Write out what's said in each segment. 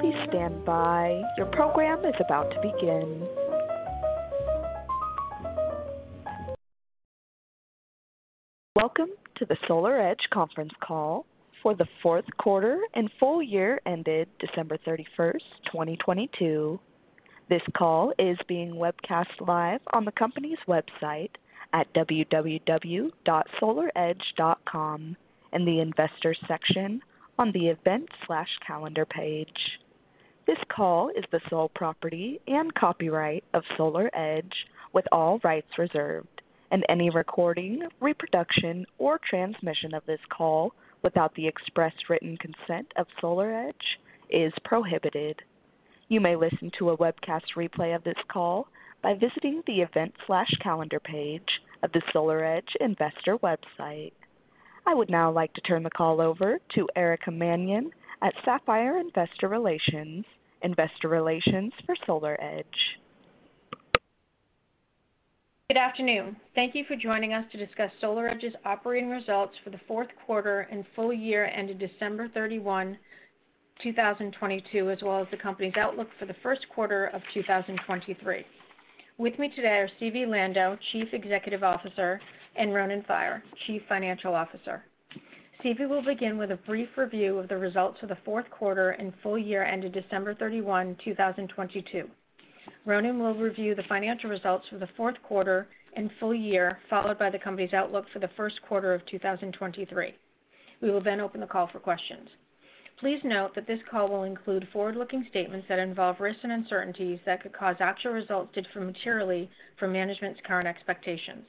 Please stand by. Your program is about to begin. Welcome to the SolarEdge conference call for the fourth quarter and full year ended December 31, 2022. This call is being webcast live on the company's website at www.solaredge.com in the Investors section on the Events/Calendar page. This call is the sole property and copyright of SolarEdge with all rights reserved, and any recording, reproduction or transmission of this call without the express written consent of SolarEdge is prohibited. You may listen to a webcast replay of this call by visiting the Event/Calendar page of the SolarEdge investor website. I would now like to turn the call over to Erica Mannion at Sapphire Investor Relations, investor relations for SolarEdge. Good afternoon. Thank you for joining us to discuss SolarEdge's operating results for the fourth quarter and full year ended December 31, 2022, as well as the company's outlook for the first quarter of 2023. With me today are Zvi Lando, Chief Executive Officer, and Ronen Faier, Chief Financial Officer. Zvi will begin with a brief review of the results for the fourth quarter and full year ended December 31, 2022. Ronan will review the financial results for the fourth quarter and full year, followed by the company's outlook for the first quarter of 2023. We will open the call for questions. Please note that this call will include forward-looking statements that involve risks and uncertainties that could cause actual results to differ materially from management's current expectations.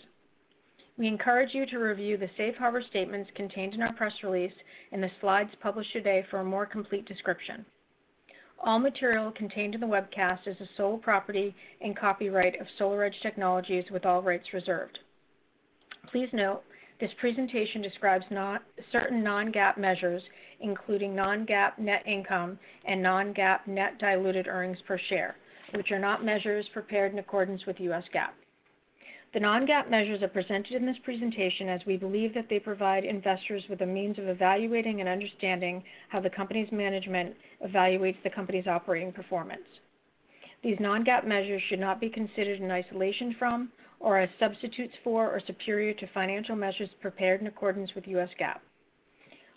We encourage you to review the safe harbor statements contained in our press release and the slides published today for a more complete description. All material contained in the webcast is the sole property and copyright of SolarEdge Technologies, with all rights reserved. Please note, this presentation describes certain Non-GAAP measures, including Non-GAAP net income and Non-GAAP net diluted earnings per share, which are not measures prepared in accordance with U.S. GAAP. The Non-GAAP measures are presented in this presentation as we believe that they provide investors with a means of evaluating and understanding how the company's management evaluates the company's operating performance. These Non-GAAP measures should not be considered in isolation from or as substitutes for or superior to financial measures prepared in accordance with U.S. GAAP.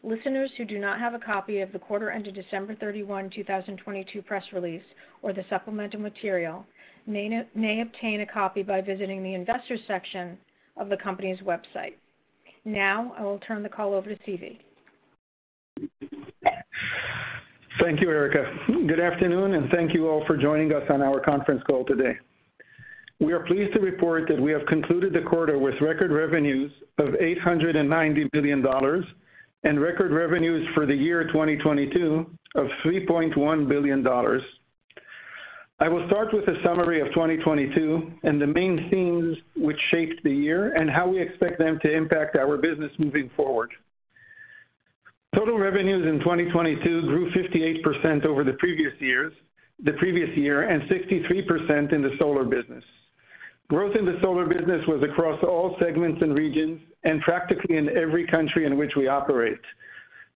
Listeners who do not have a copy of the quarter ended December 31, 2022 press release or the supplemental material may obtain a copy by visiting the Investors section of the company's website. Now I will turn the call over to Zvi. Thank you, Erica. Good afternoon, thank you all for joining us on our conference call today. We are pleased to report that we have concluded the quarter with record revenues of $890 million and record revenues for the year 2022 of $3.1 billion. I will start with a summary of 2022 and the main themes which shaped the year and how we expect them to impact our business moving forward. Total revenues in 2022 grew 58% over the previous year and 63% in the solar business. Growth in the solar business was across all segments and regions and practically in every country in which we operate.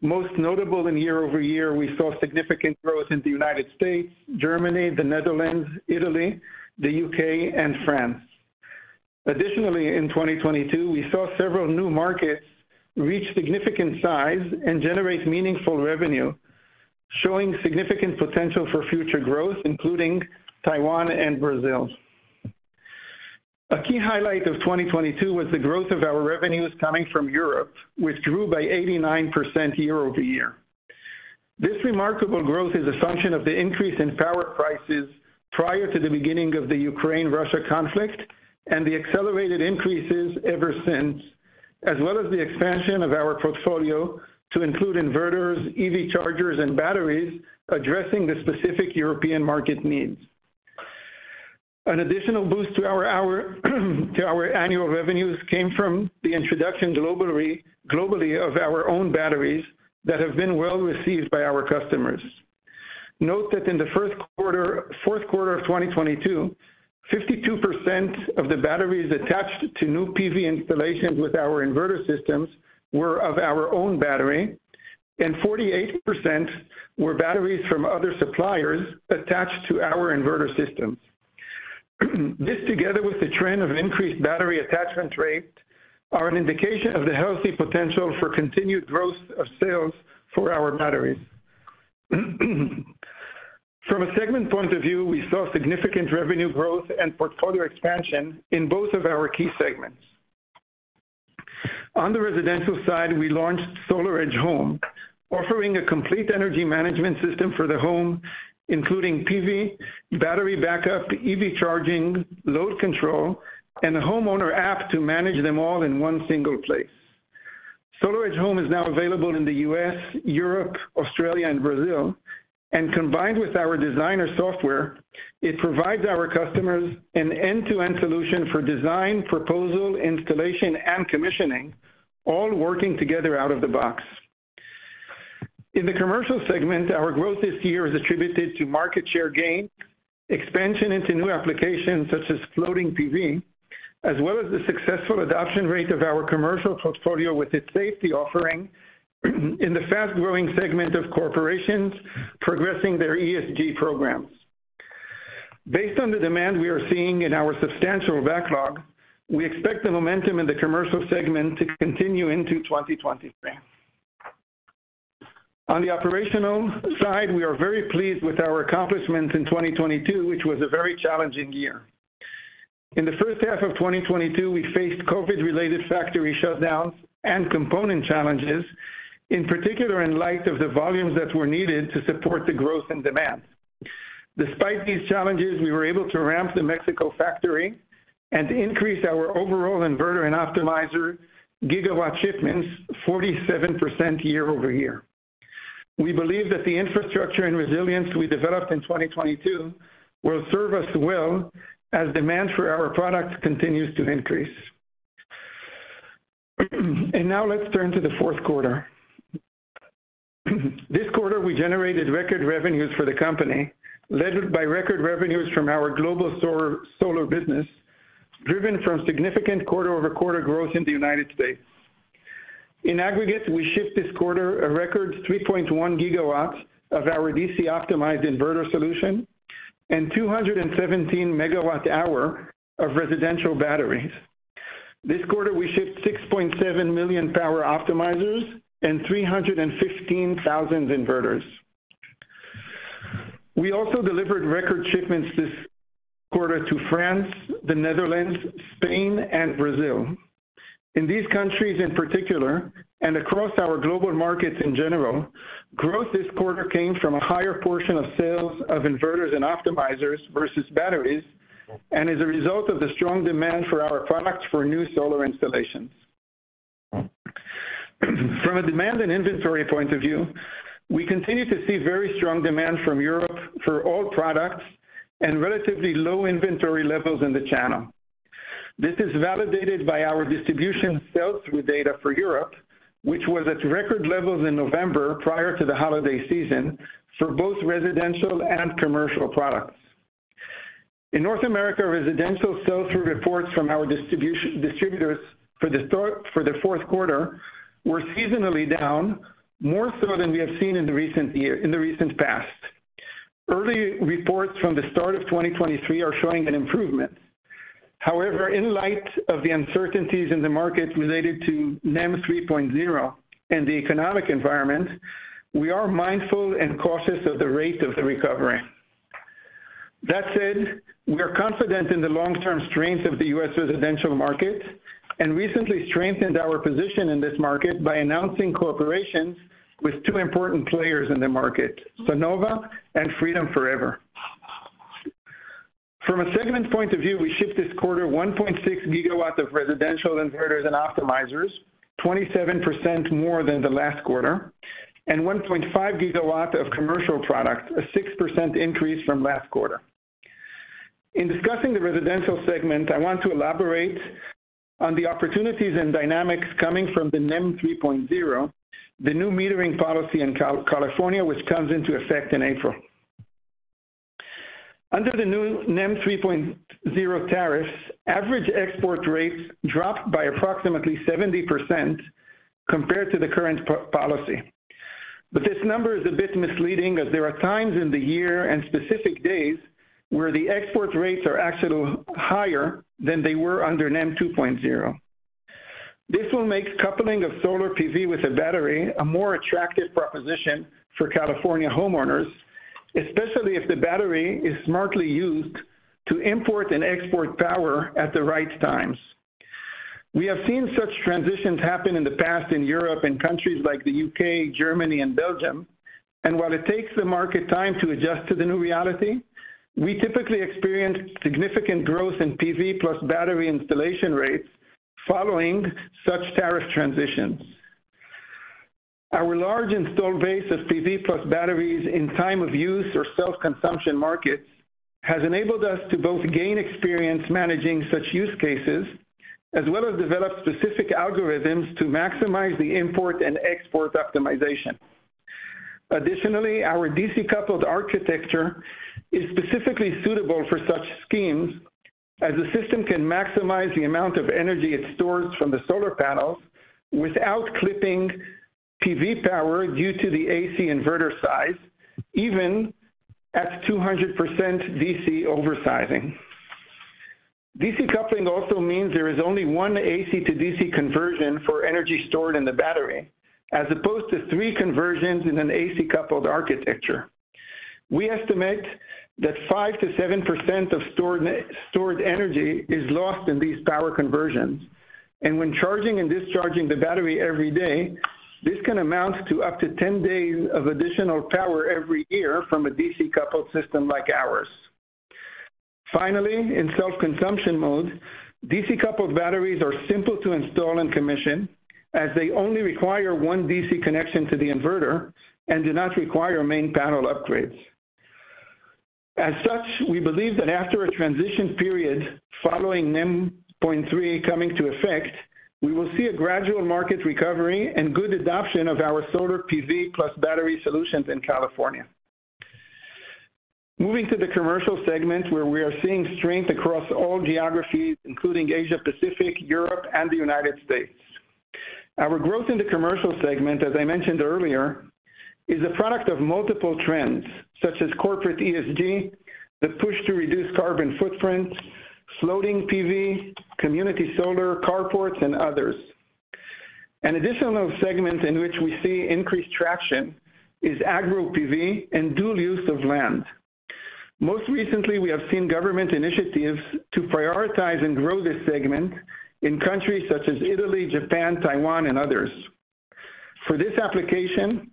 Most notable in year-over-year, we saw significant growth in the United States, Germany, the Netherlands, Italy, the U.K. and France. Additionally, in 2022, we saw several new markets reach significant size and generate meaningful revenue, showing significant potential for future growth, including Taiwan and Brazil. A key highlight of 2022 was the growth of our revenues coming from Europe, which grew by 89% year-over-year. This remarkable growth is a function of the increase in power prices prior to the beginning of the Ukraine-Russia conflict and the accelerated increases ever since, as well as the expansion of our portfolio to include inverters, EV chargers and batteries addressing the specific European market needs. An additional boost to our annual revenues came from the introduction globally of our own batteries that have been well received by our customers. Note that in the fourth quarter of 2022, 52% of the batteries attached to new PV installations with our inverter systems were of our own battery and 48% were batteries from other suppliers attached to our inverter systems. This, together with the trend of increased battery attachment rate, are an indication of the healthy potential for continued growth of sales for our batteries. From a segment point of view, we saw significant revenue growth and portfolio expansion in both of our key segments. On the residential side, we launched SolarEdge Home, offering a complete energy management system for the home, including PV, battery backup, EV charging, load control, and a homeowner app to manage them all in one single place. SolarEdge Home is now available in the US, Europe, Australia and Brazil, and combined with our Designer software, it provides our customers an end-to-end solution for design, proposal, installation and commissioning, all working together out of the box. In the commercial segment, our growth this year is attributed to market share gain, expansion into new applications such as floating PV, as well as the successful adoption rate of our commercial portfolio with its safety offering in the fast-growing segment of corporations progressing their ESG programs. Based on the demand we are seeing in our substantial backlog, we expect the momentum in the commercial segment to continue into 2023. On the operational side, we are very pleased with our accomplishments in 2022, which was a very challenging year. In the first half of 2022, we faced COVID-related factory shutdowns and component challenges, in particular in light of the volumes that were needed to support the growth in demand. Despite these challenges, we were able to ramp the Mexico factory and increase our overall inverter and optimizer gigawatt shipments 47% year-over-year. We believe that the infrastructure and resilience we developed in 2022 will serve us well as demand for our products continues to increase. Now let's turn to the fourth quarter. This quarter we generated record revenues for the company, led by record revenues from our global solar business, driven from significant quarter-over-quarter growth in the United States. In aggregate, we shipped this quarter a record 3.1 gigawatts of our DC optimized inverter solution and 217 megawatt hour of residential batteries. This quarter we shipped 6.7 million power optimizers and 316,000 inverters. We also delivered record shipments this quarter to France, the Netherlands, Spain, and Brazil. In these countries in particular, across our global markets in general, growth this quarter came from a higher portion of sales of inverters and optimizers versus batteries, as a result of the strong demand for our products for new solar installations. From a demand and inventory point of view, we continue to see very strong demand from Europe for all products and relatively low inventory levels in the channel. This is validated by our distribution sell-through data for Europe, which was at record levels in November prior to the holiday season for both residential and commercial products. In North America, residential sell-through reports from our distributors for the fourth quarter were seasonally down, more so than we have seen in the recent past. Early reports from the start of 2023 are showing an improvement. In light of the uncertainties in the market related to NEM 3.0 and the economic environment, we are mindful and cautious of the rate of the recovery. That said, we are confident in the long-term strength of the U.S. residential market and recently strengthened our position in this market by announcing cooperations with two important players in the market, Sunnova and Freedom Forever. From a segment point of view, we shipped this quarter 1.6 gigawatts of residential inverters and optimizers, 27% more than the last quarter, and 1.5 gigawatts of commercial product, a 6% increase from last quarter. In discussing the residential segment, I want to elaborate on the opportunities and dynamics coming from the NEM 3.0, the new metering policy in California, which comes into effect in April. Under the new NEM 3.0 tariffs, average export rates dropped by approximately 70% compared to the current policy. This number is a bit misleading, as there are times in the year and specific days where the export rates are actually higher than they were under NEM 2.0. This will make coupling of solar PV with a battery a more attractive proposition for California homeowners, especially if the battery is smartly used to import and export power at the right times. We have seen such transitions happen in the past in Europe, in countries like the U.K., Germany, and Belgium. While it takes the market time to adjust to the new reality, we typically experience significant growth in PV plus battery installation rates following such tariff transitions. Our large installed base of PV plus batteries in time of use or self-consumption markets has enabled us to both gain experience managing such use cases, as well as develop specific algorithms to maximize the import and export optimization. Additionally, our DC-coupled architecture is specifically suitable for such schemes, as the system can maximize the amount of energy it stores from the solar panels without clipping PV power due to the AC inverter size, even at 200% DC oversizing. DC coupling also means there is only 1 AC to DC conversion for energy stored in the battery, as opposed to three conversions in an AC coupled architecture. We estimate that 5%-7% of stored energy is lost in these power conversions. When charging and discharging the battery every day, this can amount to up to 10 days of additional power every year from a DC-coupled system like ours. Finally, in self-consumption mode, DC-coupled batteries are simple to install and commission, as they only require one DC connection to the inverter and do not require main panel upgrades. As such, we believe that after a transition period following NEM 3.0 coming to effect, we will see a gradual market recovery and good adoption of our solar PV plus battery solutions in California. Moving to the commercial segment where we are seeing strength across all geographies, including Asia Pacific, Europe, and the United States. Our growth in the commercial segment, as I mentioned earlier, is a product of multiple trends, such as corporate ESG, the push to reduce carbon footprint, floating PV, community solar, carports, and others. An additional segment in which we see increased traction is agro PV and dual use of land. Most recently, we have seen government initiatives to prioritize and grow this segment in countries such as Italy, Japan, Taiwan, and others. For this application,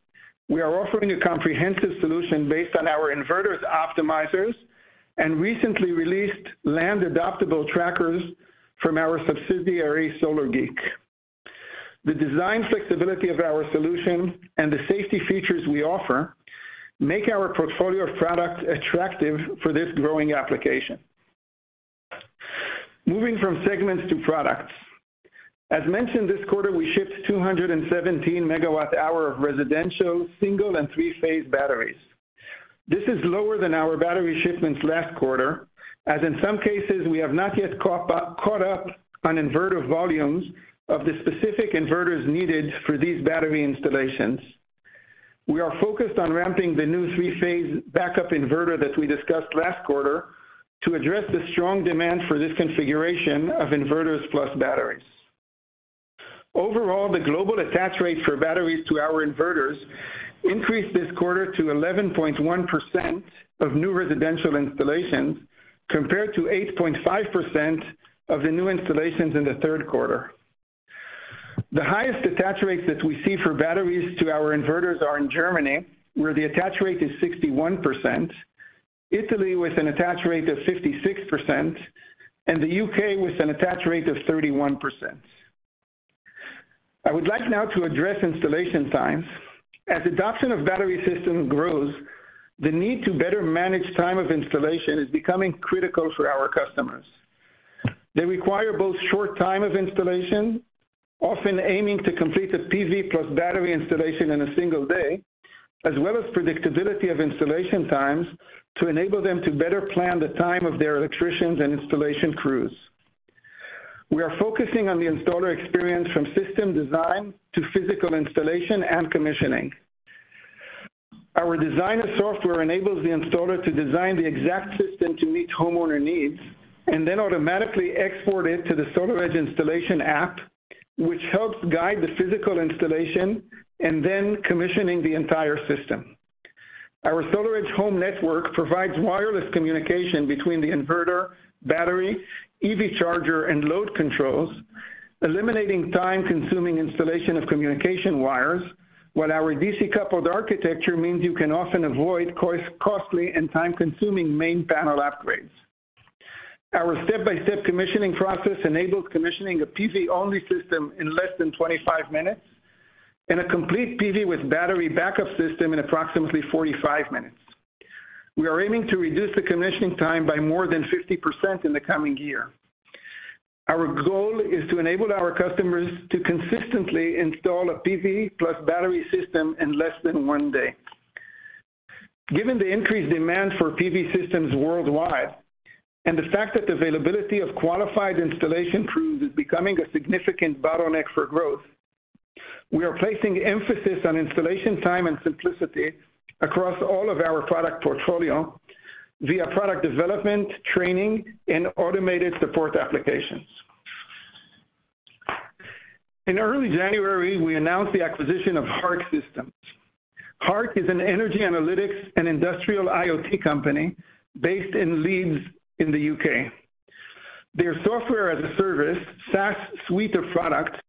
we are offering a comprehensive solution based on our inverters, optimizers, and recently released land-adaptable trackers from our subsidiary, SolarGik. The design flexibility of our solution and the safety features we offer make our portfolio of products attractive for this growing application. Moving from segments to products. As mentioned this quarter, we shipped 217 MWh of residential, single and three-phase batteries. This is lower than our battery shipments last quarter, as in some cases, we have not yet caught up on inverter volumes of the specific inverters needed for these battery installations. We are focused on ramping the new three-phase backup inverter that we discussed last quarter to address the strong demand for this configuration of inverters plus batteries. Overall, the global attach rate for batteries to our inverters increased this quarter to 11.1% of new residential installations, compared to 8.5% of the new installations in the third quarter. The highest attach rates that we see for batteries to our inverters are in Germany, where the attach rate is 61%, Italy with an attach rate of 56%, and the UK with an attach rate of 31%. I would like now to address installation times. As adoption of battery system grows, the need to better manage time of installation is becoming critical for our customers. They require both short time of installation, often aiming to complete a PV plus battery installation in a single day, as well as predictability of installation times to enable them to better plan the time of their electricians and installation crews. We are focusing on the installer experience from system design to physical installation and commissioning. Our Designer software enables the installer to design the exact system to meet homeowner needs and then automatically export it to the SolarEdge installation app, which helps guide the physical installation and then commissioning the entire system. Our SolarEdge Home Network provides wireless communication between the inverter, battery, EV charger, and load controls, eliminating time-consuming installation of communication wires, while our DC-coupled architecture means you can often avoid costly and time-consuming main panel upgrades. Our step-by-step commissioning process enables commissioning a PV-only system in less than 25 minutes and a complete PV with battery backup system in approximately 45 minutes. We are aiming to reduce the commissioning time by more than 50% in the coming year. Our goal is to enable our customers to consistently install a PV plus battery system in less than 1 day. Given the increased demand for PV systems worldwide and the fact that availability of qualified installation crews is becoming a significant bottleneck for growth, we are placing emphasis on installation time and simplicity across all of our product portfolio via product development, training, and automated support applications. In early January, we announced the acquisition of Hark Systems. Hark is an energy analytics and industrial IoT company based in Leeds in the U.K. Their Software as a Service, SaaS suite of product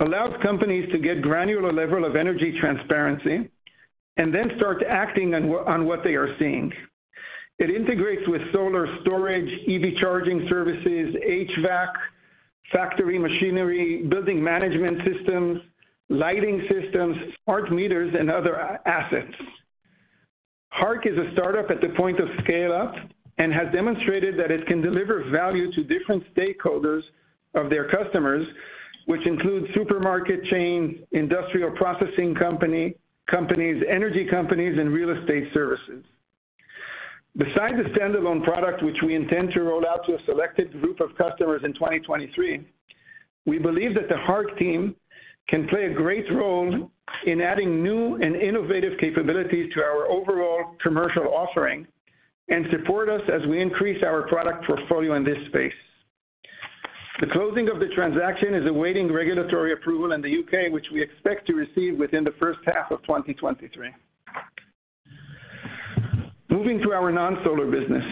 allows companies to get granular level of energy transparency and then start acting on what they are seeing. It integrates with solar storage, EV charging services, HVAC, factory machinery, building management systems, lighting systems, smart meters, and other assets. Hark is a startup at the point of scale-up and has demonstrated that it can deliver value to different stakeholders of their customers, which includes supermarket chains, industrial processing companies, energy companies, and real estate services. Besides the standalone product which we intend to roll out to a selected group of customers in 2023, we believe that the Hark team can play a great role in adding new and innovative capabilities to our overall commercial offering and support us as we increase our product portfolio in this space. The closing of the transaction is awaiting regulatory approval in the U.K., which we expect to receive within the first half of 2023. Moving to our non-solar business.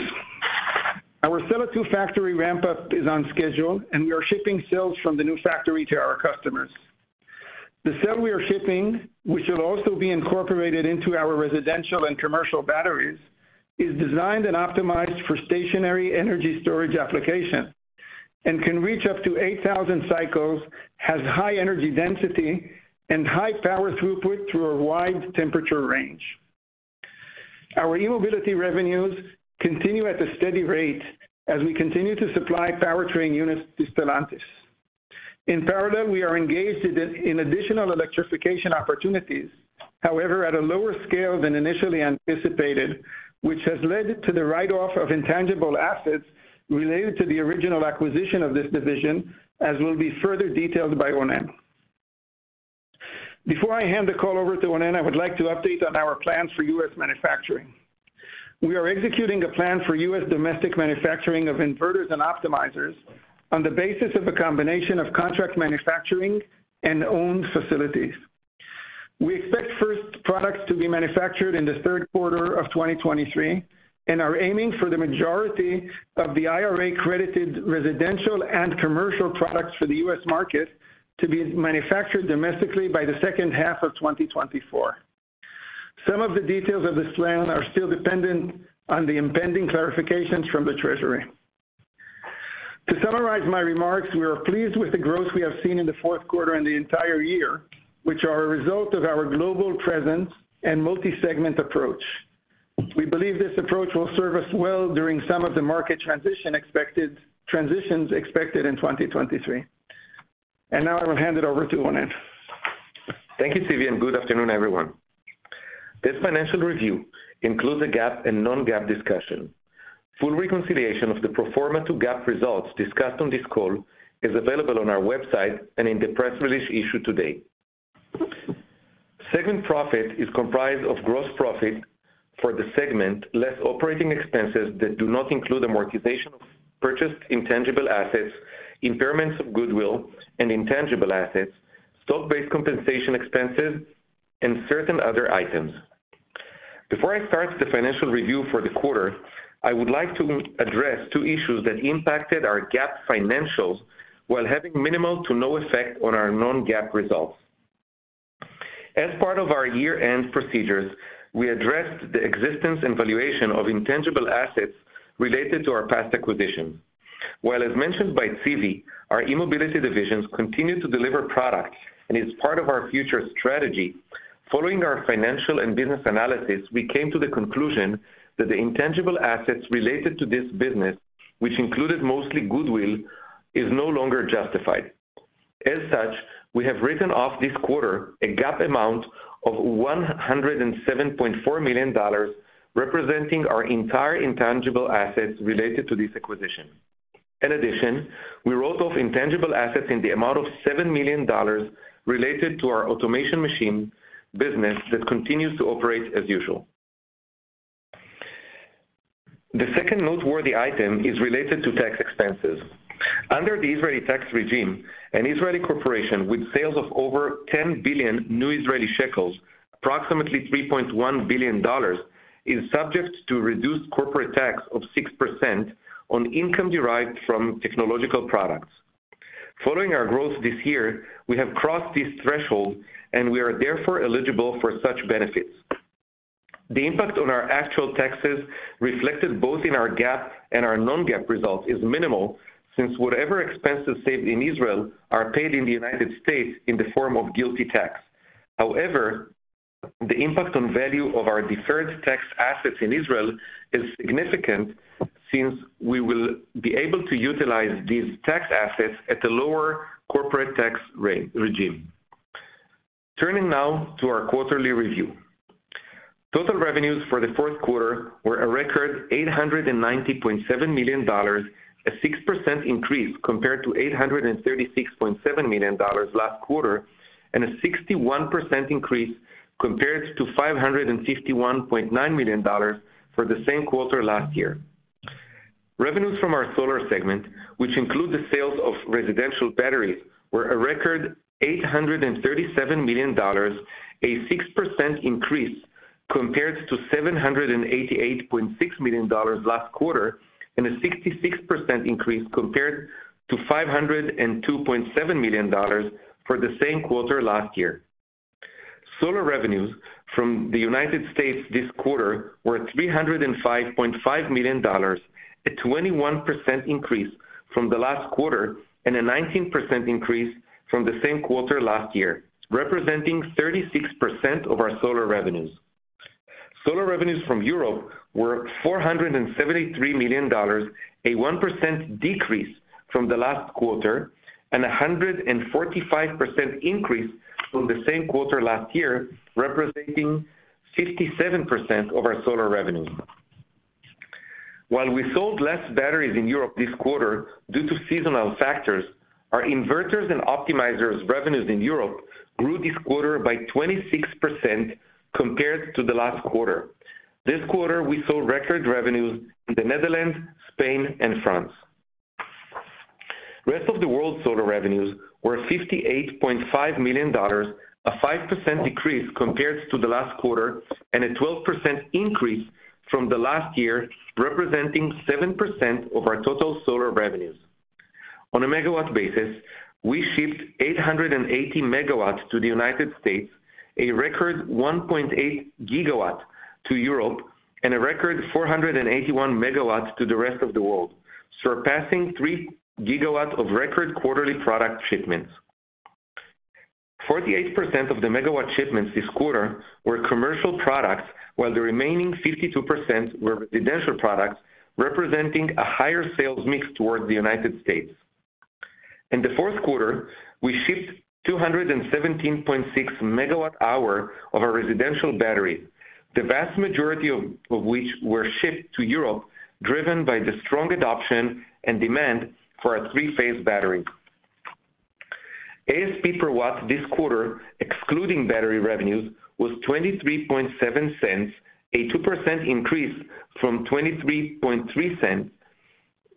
Our Sella 2 factory ramp-up is on schedule, and we are shipping cells from the new factory to our customers. The cell we are shipping, which will also be incorporated into our residential and commercial batteries, is designed and optimized for stationary energy storage application and can reach up to 8,000 cycles, has high energy density and high power throughput through a wide temperature range. Our e-mobility revenues continue at a steady rate as we continue to supply powertrain units to Stellantis. In parallel, we are engaged in additional electrification opportunities. At a lower scale than initially anticipated, which has led to the write-off of intangible assets related to the original acquisition of this division, as will be further detailed by Ronen. Before I hand the call over to Ronen, I would like to update on our plans for U.S. manufacturing. We are executing a plan for U.S. domestic manufacturing of inverters and optimizers on the basis of a combination of contract manufacturing and owned facilities. We expect first products to be manufactured in the third quarter of 2023 and are aiming for the majority of the IRA credited residential and commercial products for the U.S. market to be manufactured domestically by the second half of 2024. Some of the details of this plan are still dependent on the impending clarifications from the Treasury. To summarize my remarks, we are pleased with the growth we have seen in the fourth quarter and the entire year, which are a result of our global presence and multi-segment approach. We believe this approach will serve us well during some of the market transitions expected in 2023. Now I will hand it over to Ronen. Thank you, Zvi, and good afternoon, everyone. This financial review includes a GAAP and Non-GAAP discussion. Full reconciliation of the pro forma to GAAP results discussed on this call is available on our website and in the press release issued today. Segment profit is comprised of gross profit for the segment, less operating expenses that do not include amortization of purchased intangible assets, impairments of goodwill and intangible assets, stock-based compensation expenses, and certain other items. Before I start the financial review for the quarter, I would like to address two issues that impacted our GAAP financials while having minimal to no effect on our Non-GAAP results. As part of our year-end procedures, we addressed the existence and valuation of intangible assets related to our past acquisitions. As mentioned by Tsvi, our eMobility divisions continue to deliver products and is part of our future strategy, following our financial and business analysis, we came to the conclusion that the intangible assets related to this business, which included mostly goodwill, is no longer justified. We have written off this quarter a GAAP amount of $107.4 million, representing our entire intangible assets related to this acquisition. We wrote off intangible assets in the amount of $7 million related to our automation machine business that continues to operate as usual. The second noteworthy item is related to tax expenses. Under the Israeli tax regime, an Israeli corporation with sales of over 10 billion, approximately $3.1 billion, is subject to reduced corporate tax of 6% on income derived from technological products. Following our growth this year, we have crossed this threshold, and we are therefore eligible for such benefits. The impact on our actual taxes reflected both in our GAAP and our Non-GAAP results is minimal, since whatever expenses saved in Israel are paid in the United States in the form of GILTI tax. However, the impact on value of our deferred tax assets in Israel is significant since we will be able to utilize these tax assets at a lower corporate tax rate regime. Turning now to our quarterly review. Total revenues for the fourth quarter were a record $890.7 million, a 6% increase compared to $836.7 million last quarter, and a 61% increase compared to $551.9 million for the same quarter last year. Revenues from our solar segment, which include the sales of residential batteries, were a record $837 million, a 6% increase compared to $788.6 million last quarter, and a 66% increase compared to $502.7 million for the same quarter last year. Solar revenues from the United States this quarter were $305.5 million, a 21% increase from the last quarter and a 19% increase from the same quarter last year, representing 36% of our solar revenues. Solar revenues from Europe were $473 million, a 1% decrease from the last quarter and a 145% increase from the same quarter last year, representing 57% of our solar revenues. While we sold less batteries in Europe this quarter due to seasonal factors, our inverters and optimizers revenues in Europe grew this quarter by 26% compared to the last quarter. This quarter, we sold record revenues in the Netherlands, Spain, and France. Rest of the world solar revenues were $58.5 million, a 5% decrease compared to the last quarter and a 12% increase from the last year, representing 7% of our total solar revenues. On a megawatt basis, we shipped 880 megawatts to the United States, a record 1.8 gigawatts to Europe, and a record 481 megawatts to the rest of the world, surpassing 3 gigawatts of record quarterly product shipment. 48% of the megawatt shipments this quarter were commercial products, while the remaining 52% were residential products, representing a higher sales mix towards the United States. In the fourth quarter, we shipped 217.6 megawatt-hour of our residential battery, the vast majority of which were shipped to Europe, driven by the strong adoption and demand for our three-phase battery. ASP per watt this quarter, excluding battery revenues, was $0.237, a 2% increase from $0.233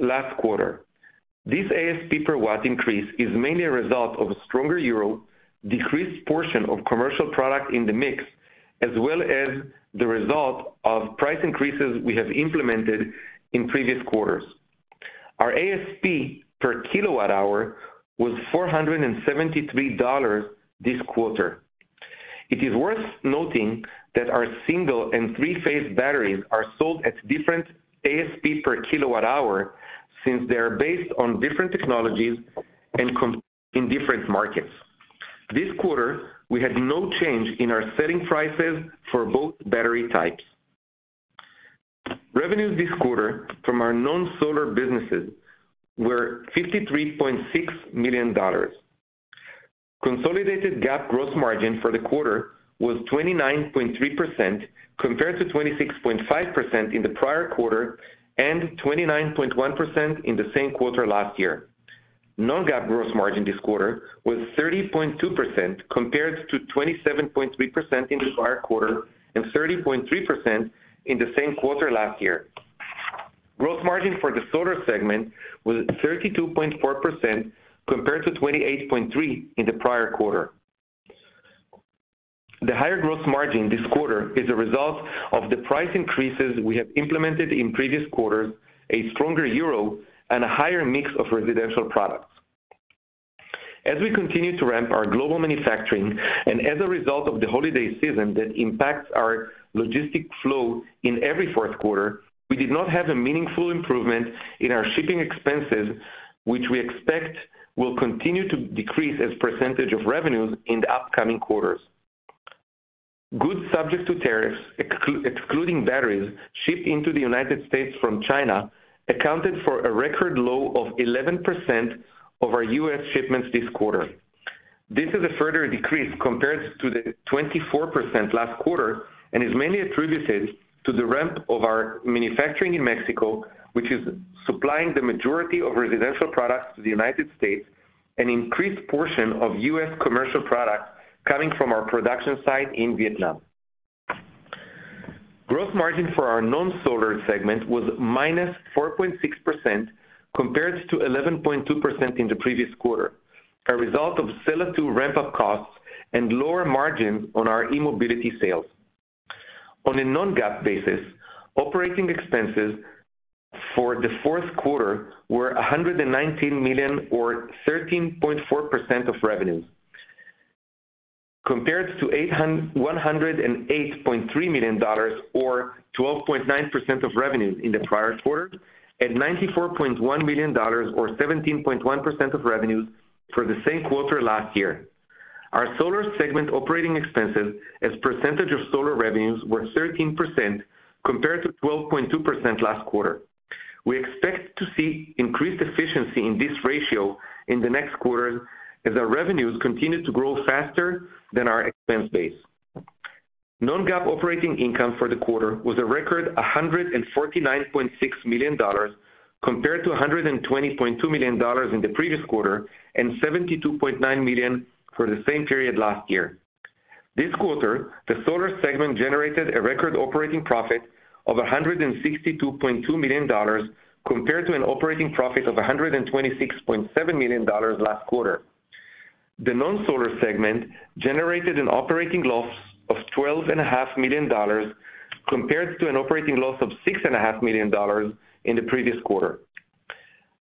last quarter. This ASP per watt increase is mainly a result of a stronger euro, decreased portion of commercial product in the mix, as well as the result of price increases we have implemented in previous quarters. Our ASP per kilowatt-hour was $473 this quarter. It is worth noting that our single and three-phase batteries are sold at different ASP per kilowatt-hour, since they are based on different technologies and in different markets. This quarter, we had no change in our selling prices for both battery types. Revenues this quarter from our known solar businesses were $53.6 million. Consolidated GAAP gross margin for the quarter was 29.3% compared to 26.5% in the prior quarter and 29.1% in the same quarter last year. Non-GAAP gross margin this quarter was 30.2% compared to 27.3% in the prior quarter and 30.3% in the same quarter last year. Gross margin for the solar segment was 32.4% compared to 28.3% in the prior quarter. The higher gross margin this quarter is a result of the price increases we have implemented in previous quarters, a stronger euro, and a higher mix of residential products. As we continue to ramp our global manufacturing and as a result of the holiday season that impacts our logistic flow in every fourth quarter, we did not have a meaningful improvement in our shipping expenses, which we expect will continue to decrease as % of revenues in the upcoming quarters. Goods subject to tariffs, excluding batteries, shipped into the United States from China, accounted for a record low of 11% of our U.S. shipments this quarter. This is a further decrease compared to the 24% last quarter and is mainly attributed to the ramp of our manufacturing in Mexico, which is supplying the majority of residential products to the United States, an increased portion of U.S. commercial products coming from our production site in Vietnam. Gross margin for our non-solar segment was -4.6% compared to 11.2% in the previous quarter, a result of Sella 2 ramp-up costs and lower margins on our e-mobility sales. On a Non-GAAP basis, operating expenses for the fourth quarter were $119 million or 13.4% of revenues, compared to $108.3 million or 12.9% of revenues in the prior quarter, and $94.1 million or 17.1% of revenues for the same quarter last year. Our Solar segment operating expenses as percentage of Solar revenues were 13% compared to 12.2% last quarter. We expect to see increased efficiency in this ratio in the next quarter as our revenues continue to grow faster than our expense base. Non-GAAP operating income for the quarter was a record $149.6 million compared to $120.2 million in the previous quarter and $72.9 million for the same period last year. This quarter, the solar segment generated a record operating profit of $162.2 million compared to an operating profit of $126.7 million last quarter. The non-solar segment generated an operating loss of twelve and a half million dollars compared to an operating loss of six and a half million dollars in the previous quarter.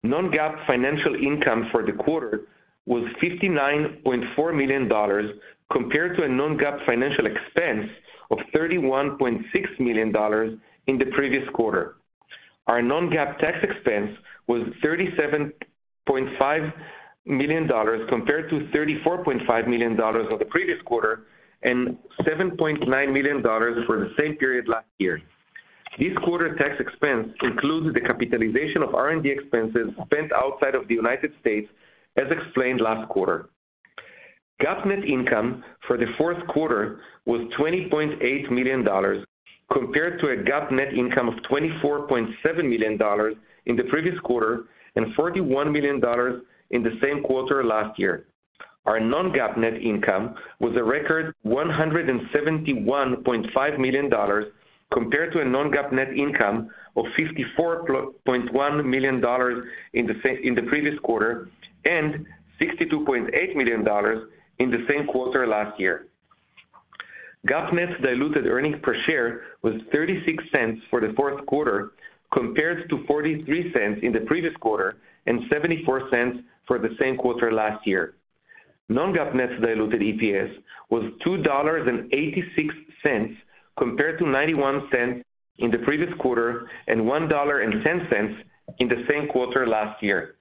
Non-GAAP financial income for the quarter was $59.4 million compared to a Non-GAAP financial expense of $31.6 million in the previous quarter. Our Non-GAAP tax expense was $37.5 million compared to $34.5 million of the previous quarter and $7.9 million for the same period last year. This quarter tax expense includes the capitalization of R&D expenses spent outside of the United States, as explained last quarter. GAAP net income for the fourth quarter was $20.8 million compared to a GAAP net income of $24.7 million in the previous quarter and $41 million in the same quarter last year. Our Non-GAAP net income was a record $171.5 million compared to a Non-GAAP net income of $54.1 million in the previous quarter and $62.8 million in the same quarter last year. GAAP net diluted earnings per share was $0.36 for the fourth quarter, compared to $0.43 in the previous quarter and $0.74 for the same quarter last year. Non-GAAP net diluted EPS was $2.86 compared to $0.91 in the previous quarter and $1.10 in the same quarter last year.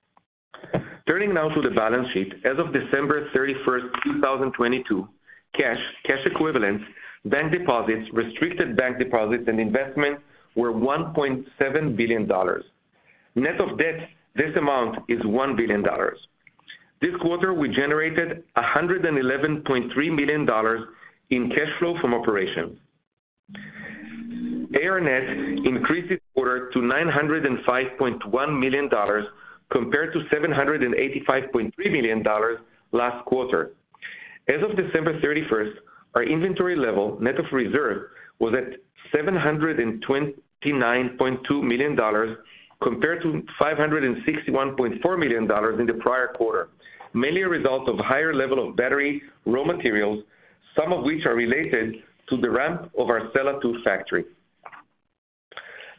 Turning now to the balance sheet. As of December 31, 2022, cash equivalents, bank deposits, restricted bank deposits, and investments were $1.7 billion. Net of debt, this amount is $1 billion. This quarter, we generated $111.3 million in cash flow from operations. AR net increased this quarter to $905.1 million compared to $785.3 million last quarter. As of December 31, our inventory level, net of reserve, was at $729.2 million compared to $561.4 million in the prior quarter, mainly a result of higher level of battery raw materials, some of which are related to the ramp of our Sella 2 factory.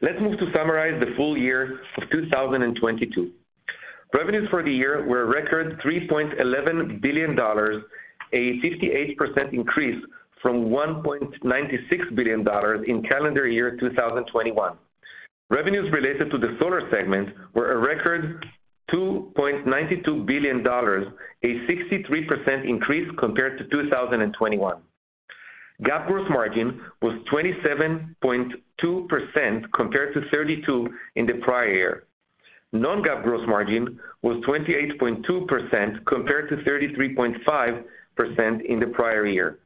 Let's move to summarize the full year of 2022. Revenues for the year were a record $3.11 billion, a 58% increase from $1.96 billion in calendar year 2021. Revenues related to the solar segment were a record $2.92 billion, a 63% increase compared to 2021. GAAP gross margin was 27.2% compared to 32% in the prior year. Non-GAAP gross margin was 28.2% compared to 33.5% in the prior year.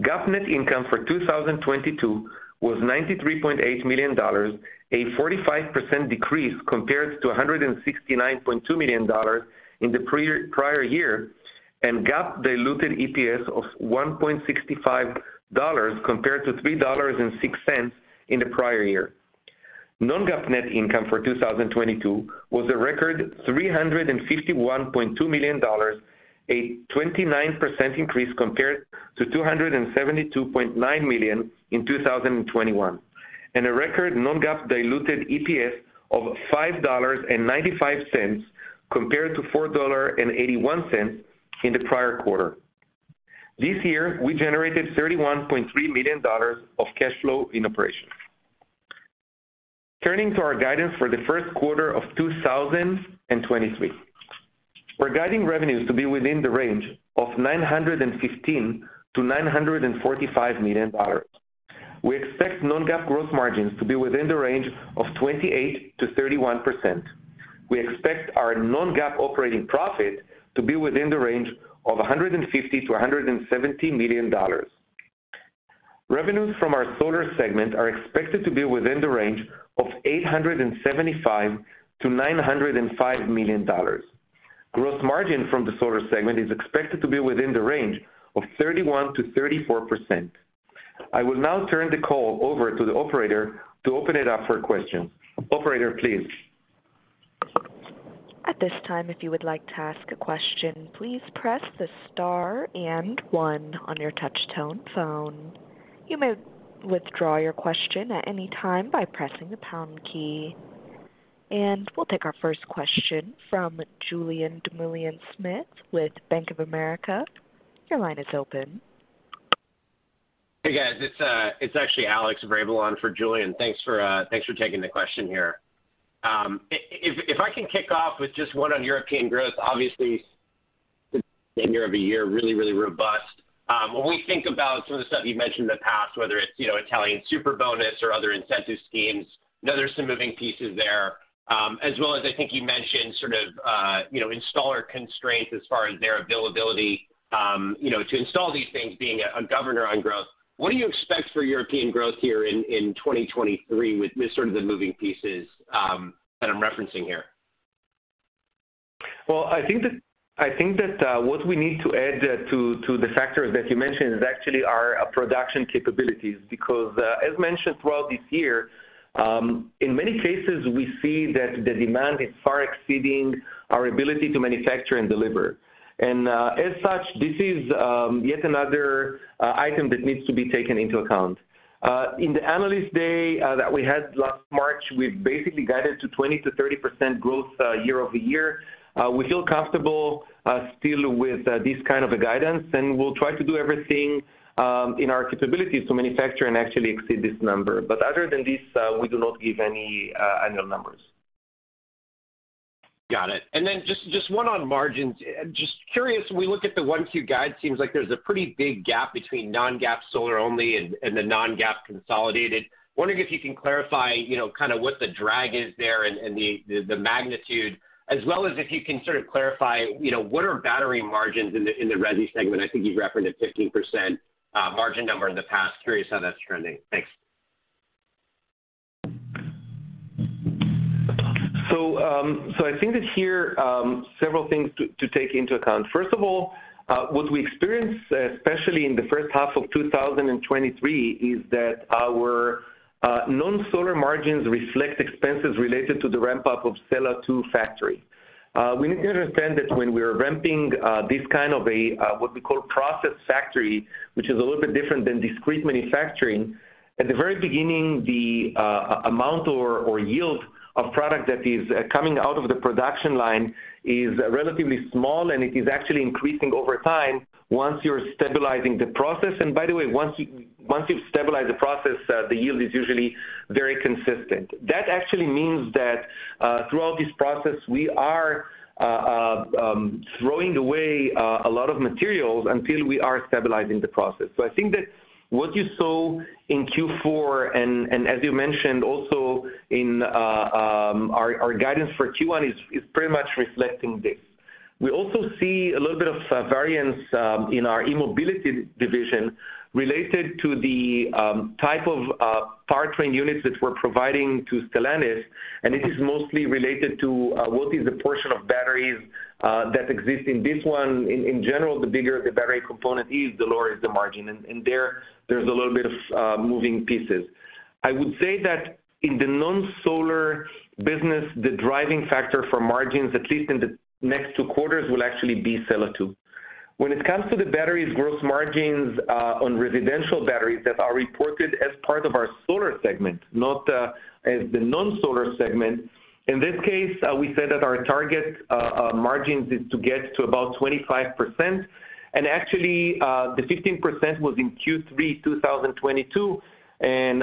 GAAP net income for 2022 was $93.8 million, a 45% decrease compared to $169.2 million in the pre-prior year, and GAAP diluted EPS of $1.65 compared to $3.06 in the prior year. Non-GAAP net income for 2022 was a record $351.2 million, a 29% increase compared to $272.9 million in 2021, and a record Non-GAAP diluted EPS of $5.95 compared to $4.81 in the prior quarter. This year, we generated $31.3 million of cash flow in operations. Turning to our guidance for the first quarter of 2023. We're guiding revenues to be within the range of $915 million-$945 million. We expect Non-GAAP growth margins to be within the range of 28%-31%. We expect our Non-GAAP operating profit to be within the range of $150 million-$170 million. Revenues from our solar segment are expected to be within the range of $875 million-$905 million. Gross margin from the solar segment is expected to be within the range of 31%-34%. I will now turn the call over to the Operator to open it up for questions. Operator, please. At this time, if you would like to ask a question, please press the star and 1 on your touchtone phone. You may withdraw your question at any time by pressing the pound key. We'll take our first question from Julien Dumoulin-Smith with Bank of America. Your line is open. Hey, guys. It's actually Alex Vrabel for Julien Dumoulin-Smith. Thanks for taking the question here. If I can kick off with just one on European growth, obviously end of the year, really, really robust. When we think about some of the stuff you've mentioned in the past, whether it's, you know, Italian Superbonus or other incentive schemes, know there's some moving pieces there, as well as I think you mentioned sort of, you know, installer constraints as far as their availability, you know, to install these things being a governor on growth. What do you expect for European growth here in 2023 with sort of the moving pieces that I'm referencing here? Well, I think that what we need to add to the factors that you mentioned is actually our production capabilities. Because as mentioned throughout this year, in many cases, we see that the demand is far exceeding our ability to manufacture and deliver. As such, this is yet another item that needs to be taken into account. In the Analyst day that we had last March, we basically guided to 20%-30% growth year-over-year. We feel comfortable still with this kind of a guidance, and we'll try to do everything in our capabilities to manufacture and actually exceed this number. Other than this, we do not give any annual numbers. Got it. Just one on margins. Just curious, we look at the 1Q guide, seems like there's a pretty big gap between Non-GAAP solar only and the Non-GAAP consolidated. Wondering if you can clarify, you know, kind of what the drag is there and the magnitude as well as if you can sort of clarify, you know, what are battery margins in the resi segment. I think you've referenced 15% margin number in the past. Curious how that's trending. Thanks. I think that here, several things to take into account. First of all, what we experienced, especially in the first half of 2023, is that our non-solar margins reflect expenses related to the ramp-up of Sella 2 factory. We need to understand that when we are ramping, this kind of a what we call process factory, which is a little bit different than discrete manufacturing. At the very beginning, the amount or yield of product that is coming out of the production line is relatively small, and it is actually increasing over time once you're stabilizing the process. By the way, once you've stabilized the process, the yield is usually very consistent. That actually means that, throughout this process, we are throwing away a lot of materials until we are stabilizing the process. I think that what you saw in Q4, and as you mentioned also in our guidance for Q1 is pretty much reflecting this. We also see a little bit of variance in our e-mobility division related to the type of powertrain units that we're providing to Stellantis, and it is mostly related to what is the portion of batteries that exist in this one. In general, the bigger the battery component is, the lower is the margin. There's a little bit of moving pieces. I would say that in the non-solar business, the driving factor for margins, at least in the next two quarters, will actually be Sella 2. When it comes to the batteries gross margins on residential batteries that are reported as part of our solar segment, not as the non-solar segment. In this case, we said that our target margins is to get to about 25%. Actually, the 15% was in Q3 2022, and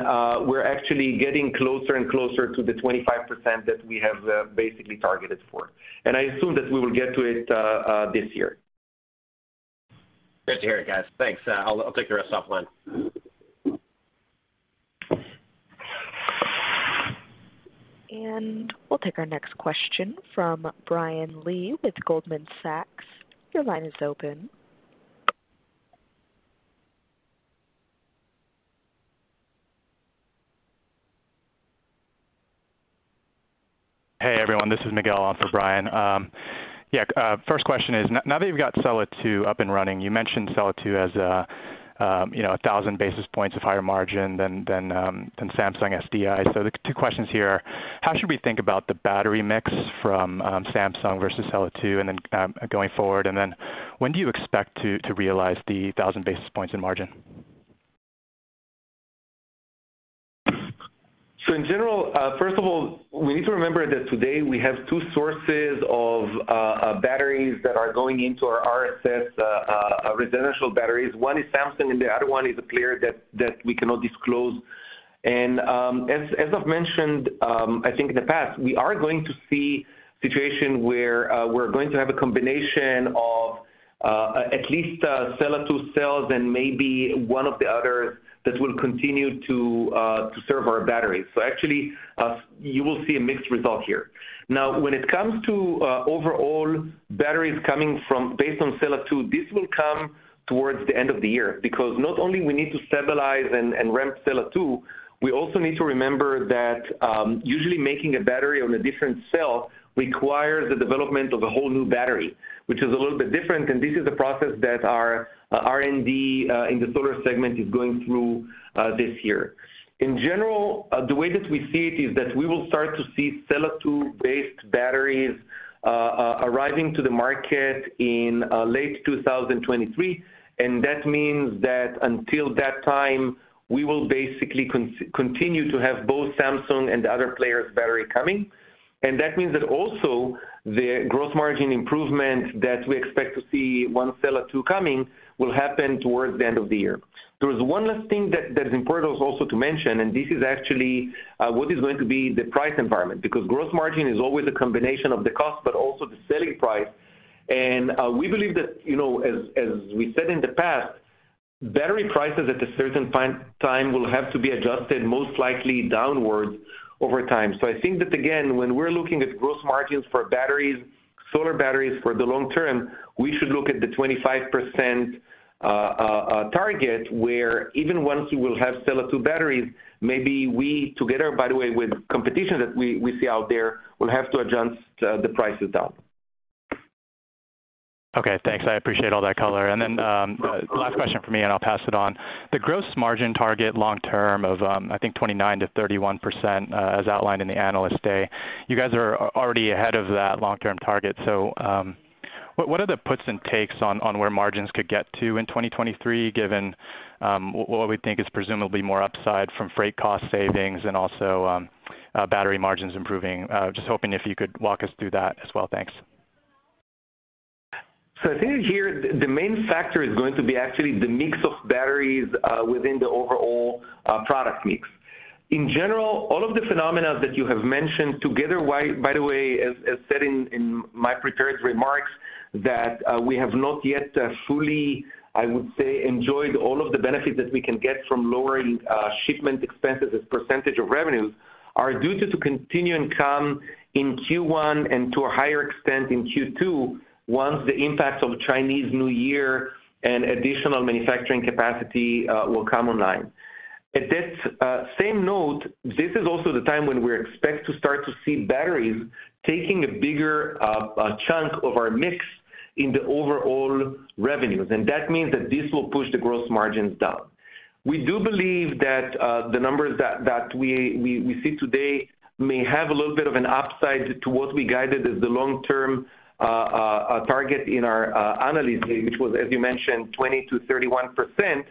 we're actually getting closer and closer to the 25% that we have basically targeted for. I assume that we will get to it this year. Good to hear it, guys. Thanks. I'll take the rest offline. We'll take our next question from Brian Lee with Goldman Sachs. Your line is open. Hey, everyone, this is Miguel on for Brian. First question is, now that you've got Sella 2 up and running, you mentioned Sella 2 as, you know, 1,000 basis points of higher margin than Samsung SDI. The 2 questions here, how should we think about the battery mix from Samsung versus Sella 2 and then going forward? When do you expect to realize the 1,000 basis points in margin? In general, first of all, we need to remember that today we have two sources of batteries that are going into our RSS residential batteries. One is Samsung, the other one is a player that we cannot disclose. As I've mentioned, I think in the past, we are going to see situation where we're going to have a combination of at least Sella 2 cells and maybe one of the others that will continue to serve our batteries. Actually, you will see a mixed result here. Now, when it comes to overall batteries coming from based on Sella 2, this will come towards the end of the year. Not only we need to stabilize and ramp Sella 2, we also need to remember that usually making a battery on a different cell requires the development of a whole new battery, which is a little bit different, and this is a process that our R&D in the solar segment is going through this year. In general, the way that we see it is that we will start to see Sella 2-based batteries arriving to the market in late 2023, and that means that until that time, we will basically continue to have both Samsung and the other players battery coming. That means that also the growth margin improvement that we expect to see once Sella 2 coming will happen towards the end of the year. There is one last thing that is important also to mention, this is actually what is going to be the price environment because gross margin is always a combination of the cost, but also the selling price. We believe that, you know, as we said in the past, battery prices at a certain time will have to be adjusted most likely downwards over time. I think that, again, when we're looking at gross margins for batteries, solar batteries for the long term, we should look at the 25% target, where even once you will have cell two batteries, maybe we together, by the way, with competition that we see out there will have to adjust the prices down. Okay, thanks. I appreciate all that color. Last question from me, and I'll pass it on. The gross margin target long term of, I think 29%-31%, as outlined in the Analyst Day, you guys are already ahead of that long-term target. What are the puts and takes on where margins could get to in 2023, given what we think is presumably more upside from freight cost savings and also battery margins improving? Just hoping if you could walk us through that as well. Thanks. I think here the main factor is going to be actually the mix of batteries within the overall product mix. In general, all of the phenomena that you have mentioned together, by the way, as said in my prepared remarks, that we have not yet fully, I would say, enjoyed all of the benefits that we can get from lowering shipment expenses as percentage of revenues are due to continue and come in Q1 and to a higher extent in Q2 once the impact of Chinese New Year and additional manufacturing capacity will come online. At this same note, this is also the time when we expect to start to see batteries taking a bigger chunk of our mix in the overall revenues, and that means that this will push the gross margins down. We do believe that, uh, the numbers that, that we, we, we see today may have a little bit of an upside to what we guided as the long-term, uh, uh, uh target in our, uh, Analyst Day, which was, as you mentioned, twenty to thirty-one percent.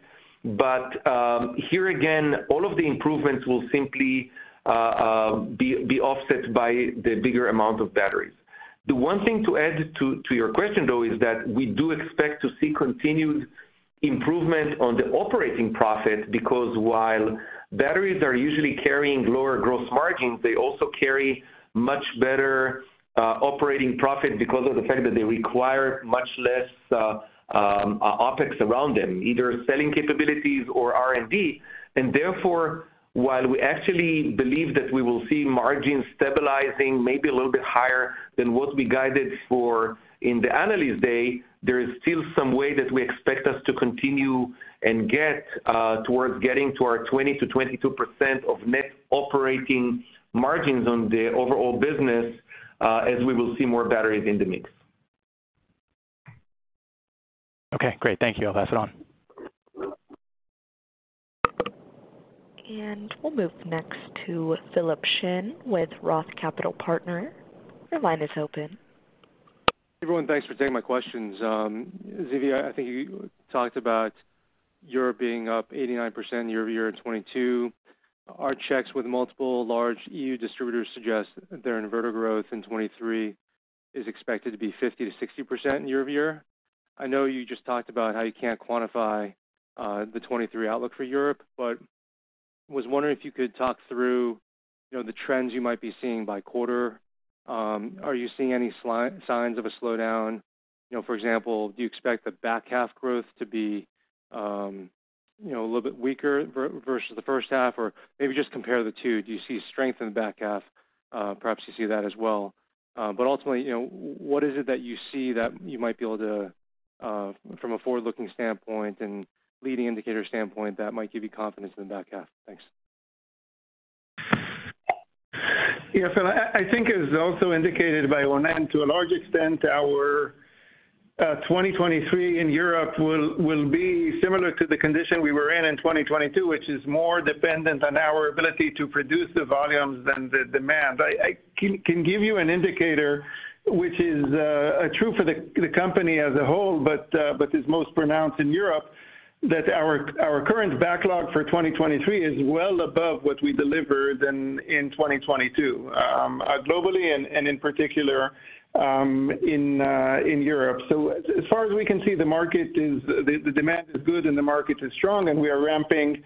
But, um, here again, all of the improvements will simply, uh, um, be, be offset by the bigger amount of batteries. The one thing to add to, to your question, though, is that we do expect to see continued improvement on the operating profit because while batteries are usually carrying lower gross margins, they also carry much better, uh, operating profit because of the fact that they require much less, uh OpEx around them, either selling capabilities or R&D. Therefore, while we actually believe that we will see margins stabilizing maybe a little bit higher than what we guided for in the Analyst Day, there is still some way that we expect us to continue and get towards getting to our 20%-22% of net operating margins on the overall business, as we will see more batteries in the mix. Okay, great. Thank you. I'll pass it on. We'll move next to Philip Shen with Roth Capital Partners. Your line is open. Everyone, thanks for taking my questions. Zivi, I think you talked about Europe being up 89% year-over-year in 2022. Our checks with multiple large EU distributors suggest their inverter growth in 2023 is expected to be 50%-60% year-over-year. I know you just talked about how you can't quantify the 2023 outlook for Europe, but was wondering if you could talk through, you know, the trends you might be seeing by quarter. Are you seeing any signs of a slowdown? You know, for example, do you expect the back half growth to be, you know, a little bit weaker versus the first half? Maybe just compare the two. Do you see strength in the back half? Perhaps you see that as well. Ultimately, you know, what is it that you see that you might be able to, from a forward-looking standpoint and leading indicator standpoint, that might give you confidence in the back half? Thanks. I think as also indicated by Ronen, to a large extent, our 2023 in Europe will be similar to the condition we were in in 2022, which is more dependent on our ability to produce the volumes than the demand. I can give you an indicator which is true for the company as a whole, but is most pronounced in Europe that our current backlog for 2023 is well above what we delivered in 2022 globally and in particular in Europe. As far as we can see, the demand is good and the market is strong, and we are ramping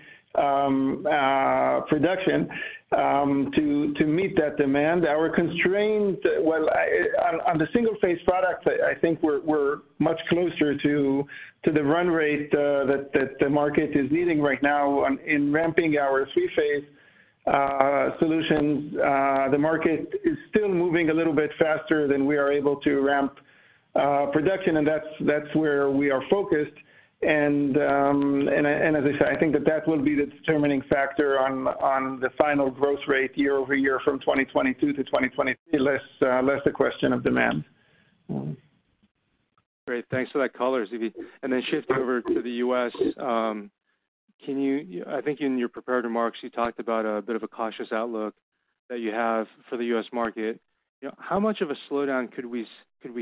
production to meet that demand. Our constraint, well, on the single-phase products, I think we're much closer to the run rate that the market is needing right now. In ramping our three-phase solutions, the market is still moving a little bit faster than we are able to ramp production, and that's where we are focused. As I said, I think that that will be the determining factor on the final growth rate year-over-year from 2022 to 2023, less the question of demand. Great. Thanks for that color, Zvi. Shifting over to the U.S., I think in your prepared remarks, you talked about a bit of a cautious outlook that you have for the U.S. market. You know, how much of a slowdown could we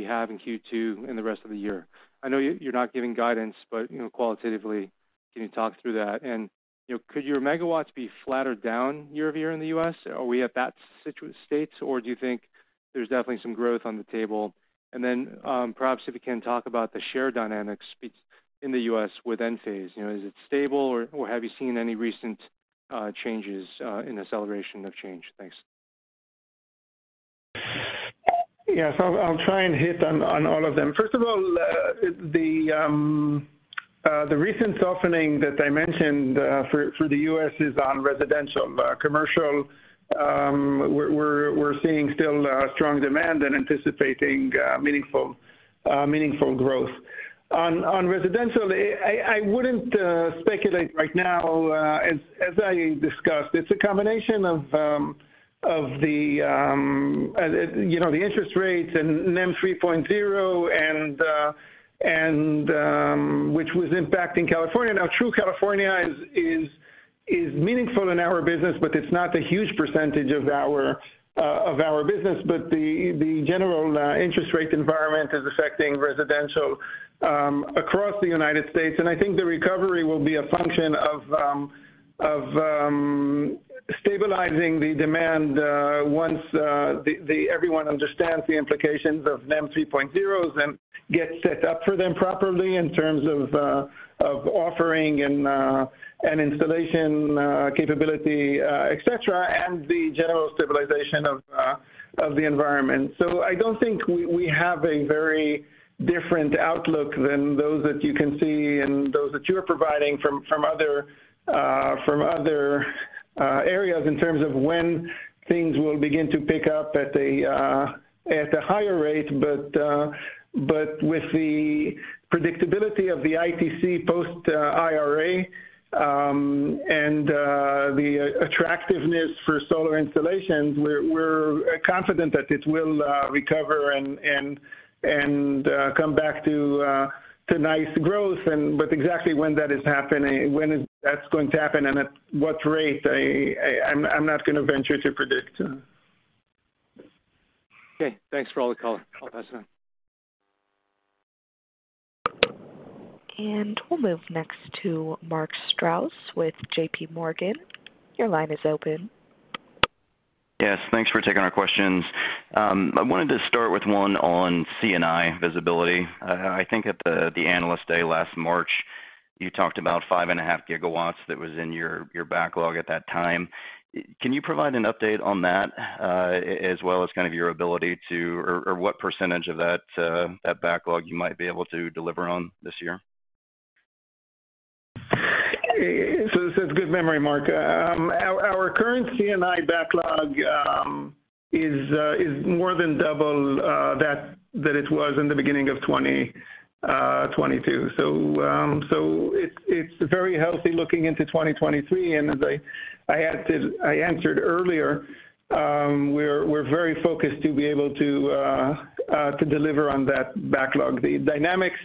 have in Q2 in the rest of the year? I know you're not giving guidance, you know, qualitatively, can you talk through that? You know, could your megawatts be flatter down year-over-year in the U.S.? Are we at that states, or do you think there's definitely some growth on the table? Perhaps if you can talk about the share dynamics in the U.S. with Enphase. You know, is it stable or have you seen any recent changes in acceleration of change? Thanks. Yes, I'll try and hit on all of them. First of all, the recent softening that I mentioned for the U.S. is on residential. Commercial, we're seeing still strong demand and anticipating meaningful growth. On residential, I wouldn't speculate right now. As I discussed, it's a combination of, you know, the interest rates and NEM 3.0 and which was impacting California. True, California is meaningful in our business, but it's not a huge percentage of our business. The general interest rate environment is affecting residential across the United States. I think the recovery will be a function of stabilizing the demand once everyone understands the implications of NEM 3.0 and gets set up for them properly in terms of offering and installation capability, et cetera, and the general stabilization of the environment. I don't think we have a very different outlook than those that you can see and those that you're providing from other areas in terms of when things will begin to pick up at a higher rate. With the predictability of the ITC post IRA, and the attractiveness for solar installations, we're confident that it will recover and come back to nice growth. Exactly when that's going to happen and at what rate, I'm not gonna venture to predict. Okay. Thanks for all the color. I'll pass it on. We'll move next to Mark Strouse with JPMorgan. Your line is open. Yes, thanks for taking our questions. I wanted to start with one on C&I visibility. I think at the Analyst Day last March. You talked about 5.5 gigawatts that was in your backlog at that time. Can you provide an update on that, as well as kind of your ability to or what percentage of that backlog you might be able to deliver on this year? So it's good memory, Mark. Our current C&I backlog is more than double that than it was in the beginning of 2022. It's very healthy looking into 2023. As I answered earlier, we're very focused to be able to deliver on that backlog. The dynamics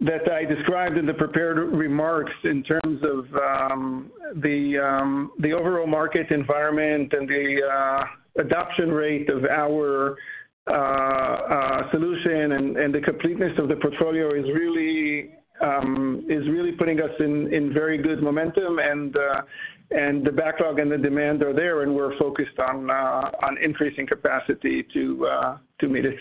that I described in the prepared remarks in terms of the overall market environment and the adoption rate of our solution and the completeness of the portfolio is really putting us in very good momentum. The backlog and the demand are there, and we're focused on increasing capacity to meet it.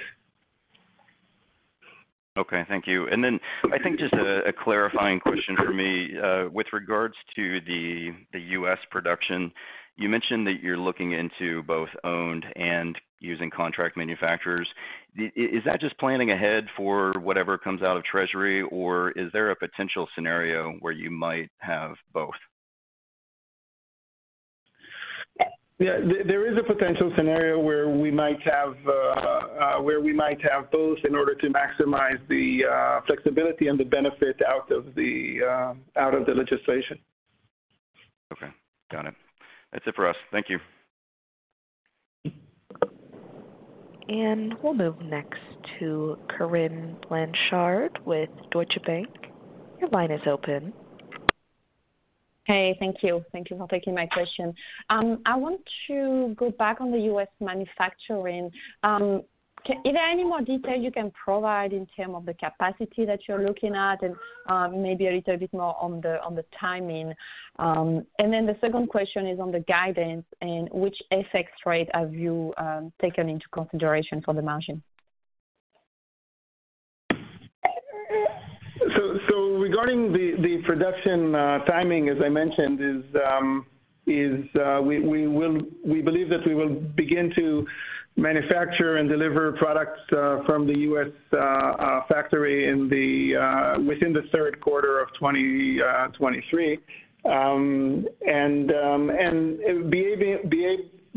Okay. Thank you. Then I think just a clarifying question for me, with regards to the US production. You mentioned that you're looking into both owned and using contract manufacturers. Is that just planning ahead for whatever comes out of Treasury, or is there a potential scenario where you might have both? Yeah. There is a potential scenario where we might have both in order to maximize the flexibility and the benefit out of the legislation. Okay. Got it. That's it for us. Thank you. We'll move next to Corinne Blanchard with Deutsche Bank. Your line is open. Hey, thank you. Thank you for taking my question. I want to go back on the U.S. manufacturing. Is there any more detail you can provide in term of the capacity that you're looking at? Maybe a little bit more on the timing. Then the second question is on the guidance and which FX rate have you taken into consideration for the margin? Regarding the production timing, as I mentioned, is, we believe that we will begin to manufacture and deliver products from the US factory within the third quarter of 2023.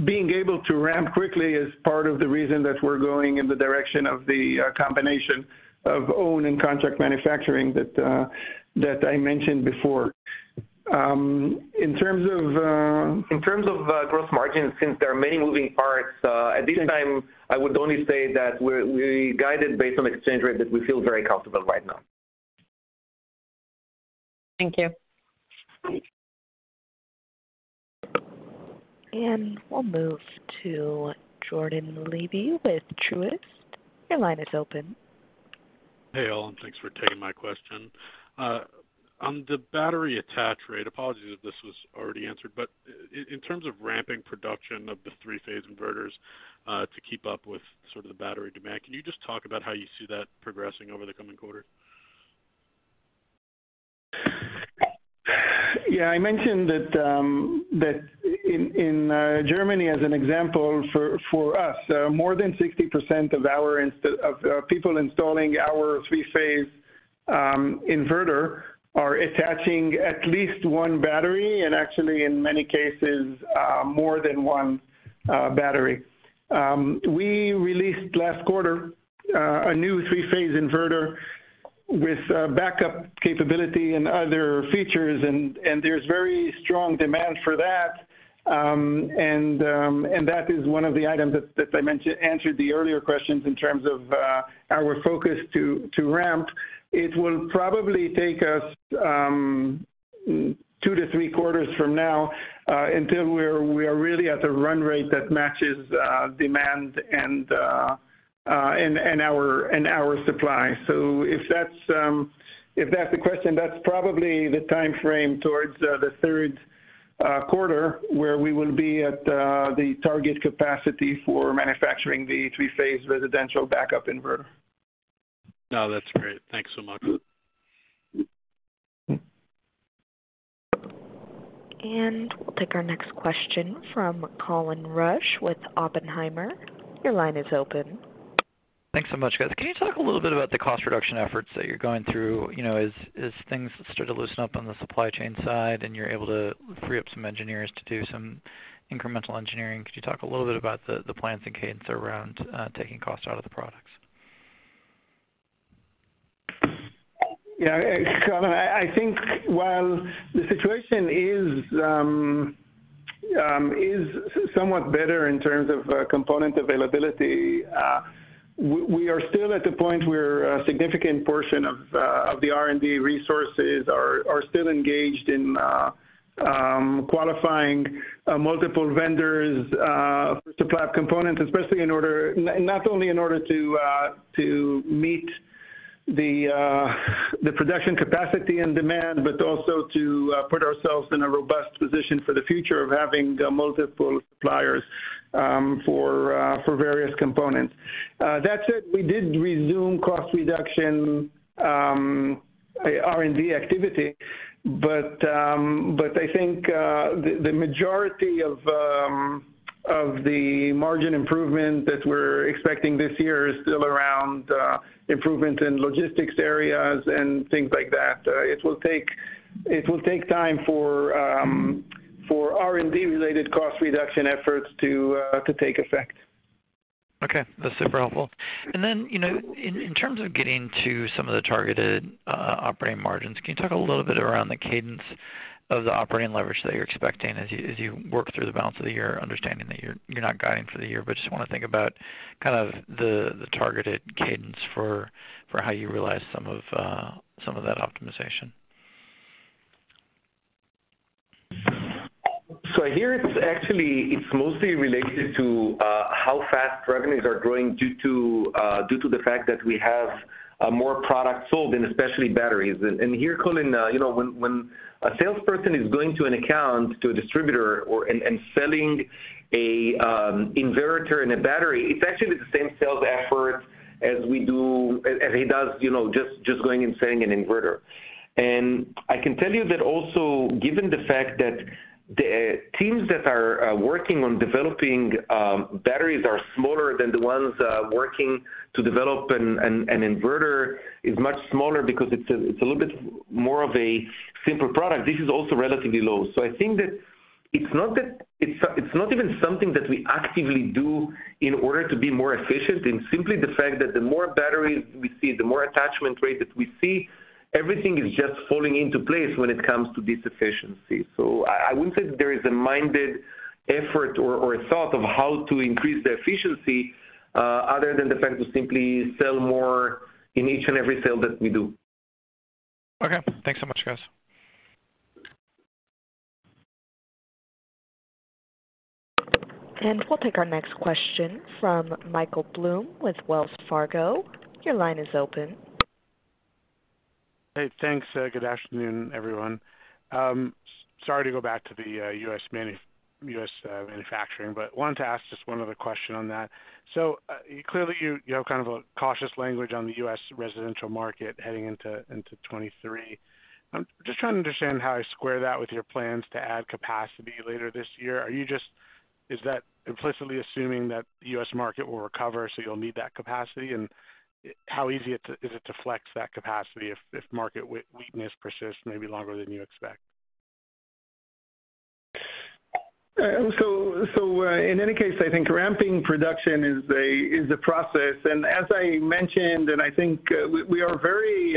Being able to ramp quickly is part of the reason that we're going in the direction of the combination of own and contract manufacturing that I mentioned before. In terms of, In terms of gross margins, since there are many moving parts, Yeah. At this time, I would only say that we guided based on exchange rate that we feel very comfortable right now. Thank you. We'll move to Jordan Levy with Truist. Your line is open. Hey, all, thanks for taking my question. On the battery attach rate, apologies if this was already answered, but in terms of ramping production of the three-phase inverters, to keep up with sort of the battery demand, can you just talk about how you see that progressing over the coming quarter? Yeah. I mentioned that in Germany as an example for us, more than 60% of people installing our three-phase inverter are attaching at least one battery, and actually in many cases, more than one battery. We released last quarter a new three-phase inverter with a backup capability and other features and there's very strong demand for that. That is one of the items that I answered the earlier questions in terms of our focus to ramp. It will probably take us two to 3 quarters from now until we are really at a run rate that matches demand and our supply. If that's the question, that's probably the timeframe towards the third quarter where we will be at the target capacity for manufacturing the three-phase residential backup inverter. No, that's great. Thanks so much. We'll take our next question from Colin Rusch with Oppenheimer. Your line is open. Thanks so much, guys. Can you talk a little bit about the cost reduction efforts that you're going through? You know, as things start to loosen up on the supply chain side and you're able to free up some engineers to do some incremental engineering, could you talk a little bit about the plans and cadence around taking costs out of the products? Colin, I think while the situation is somewhat better in terms of component availability, we are still at the point where a significant portion of the R&D resources are still engaged in qualifying multiple vendors to supply components, especially not only in order to meet the production capacity and demand, but also to put ourselves in a robust position for the future of having multiple suppliers for various components. That said, we did resume cost reduction R&D activity. But I think the majority of the margin improvement that we're expecting this year is still around improvement in logistics areas and things like that. It will take time for R&D related cost reduction efforts to take effect. Okay. That's super helpful. Then, you know, in terms of getting to some of the targeted operating margins, can you talk a little bit around the cadence of the operating leverage that you're expecting as you work through the balance of the year, understanding that you're not guiding for the year, but just wanna think about kind of the targeted cadence for how you realize some of that optimization? Here, it's actually, it's mostly related to how fast revenues are growing due to the fact that we have more products sold, and especially batteries. Here, Colin, you know, when a salesperson is going to an account to a distributor and selling an inverter and a battery, it's actually the same sales effort as he does, you know, going and selling an inverter. I can tell you that also, given the fact that the teams that are working on developing batteries are smaller than the ones working to develop an inverter is much smaller because it's a little bit more of a simpler product. This is also relatively low. I think that it's not even something that we actively do in order to be more efficient, and simply the fact that the more batteries we see, the more attachment rate that we see, everything is just falling into place when it comes to this efficiency. I wouldn't say that there is a minded effort or a thought of how to increase the efficiency, other than the fact to simply sell more in each and every sale that we do. Okay. Thanks so much, guys. We'll take our next question from Michael Blum with Wells Fargo. Your line is open. Hey, thanks. Good afternoon, everyone. Sorry to go back to the U.S. manufacturing, but wanted to ask just one other question on that. Clearly you have kind of a cautious language on the U.S. residential market heading into 2023. I'm just trying to understand how I square that with your plans to add capacity later this year. Is that implicitly assuming that the U.S. market will recover, so you'll need that capacity? How easy is it to flex that capacity if market weakness persists maybe longer than you expect? In any case, I think ramping production is a process. As I mentioned, and I think, we are very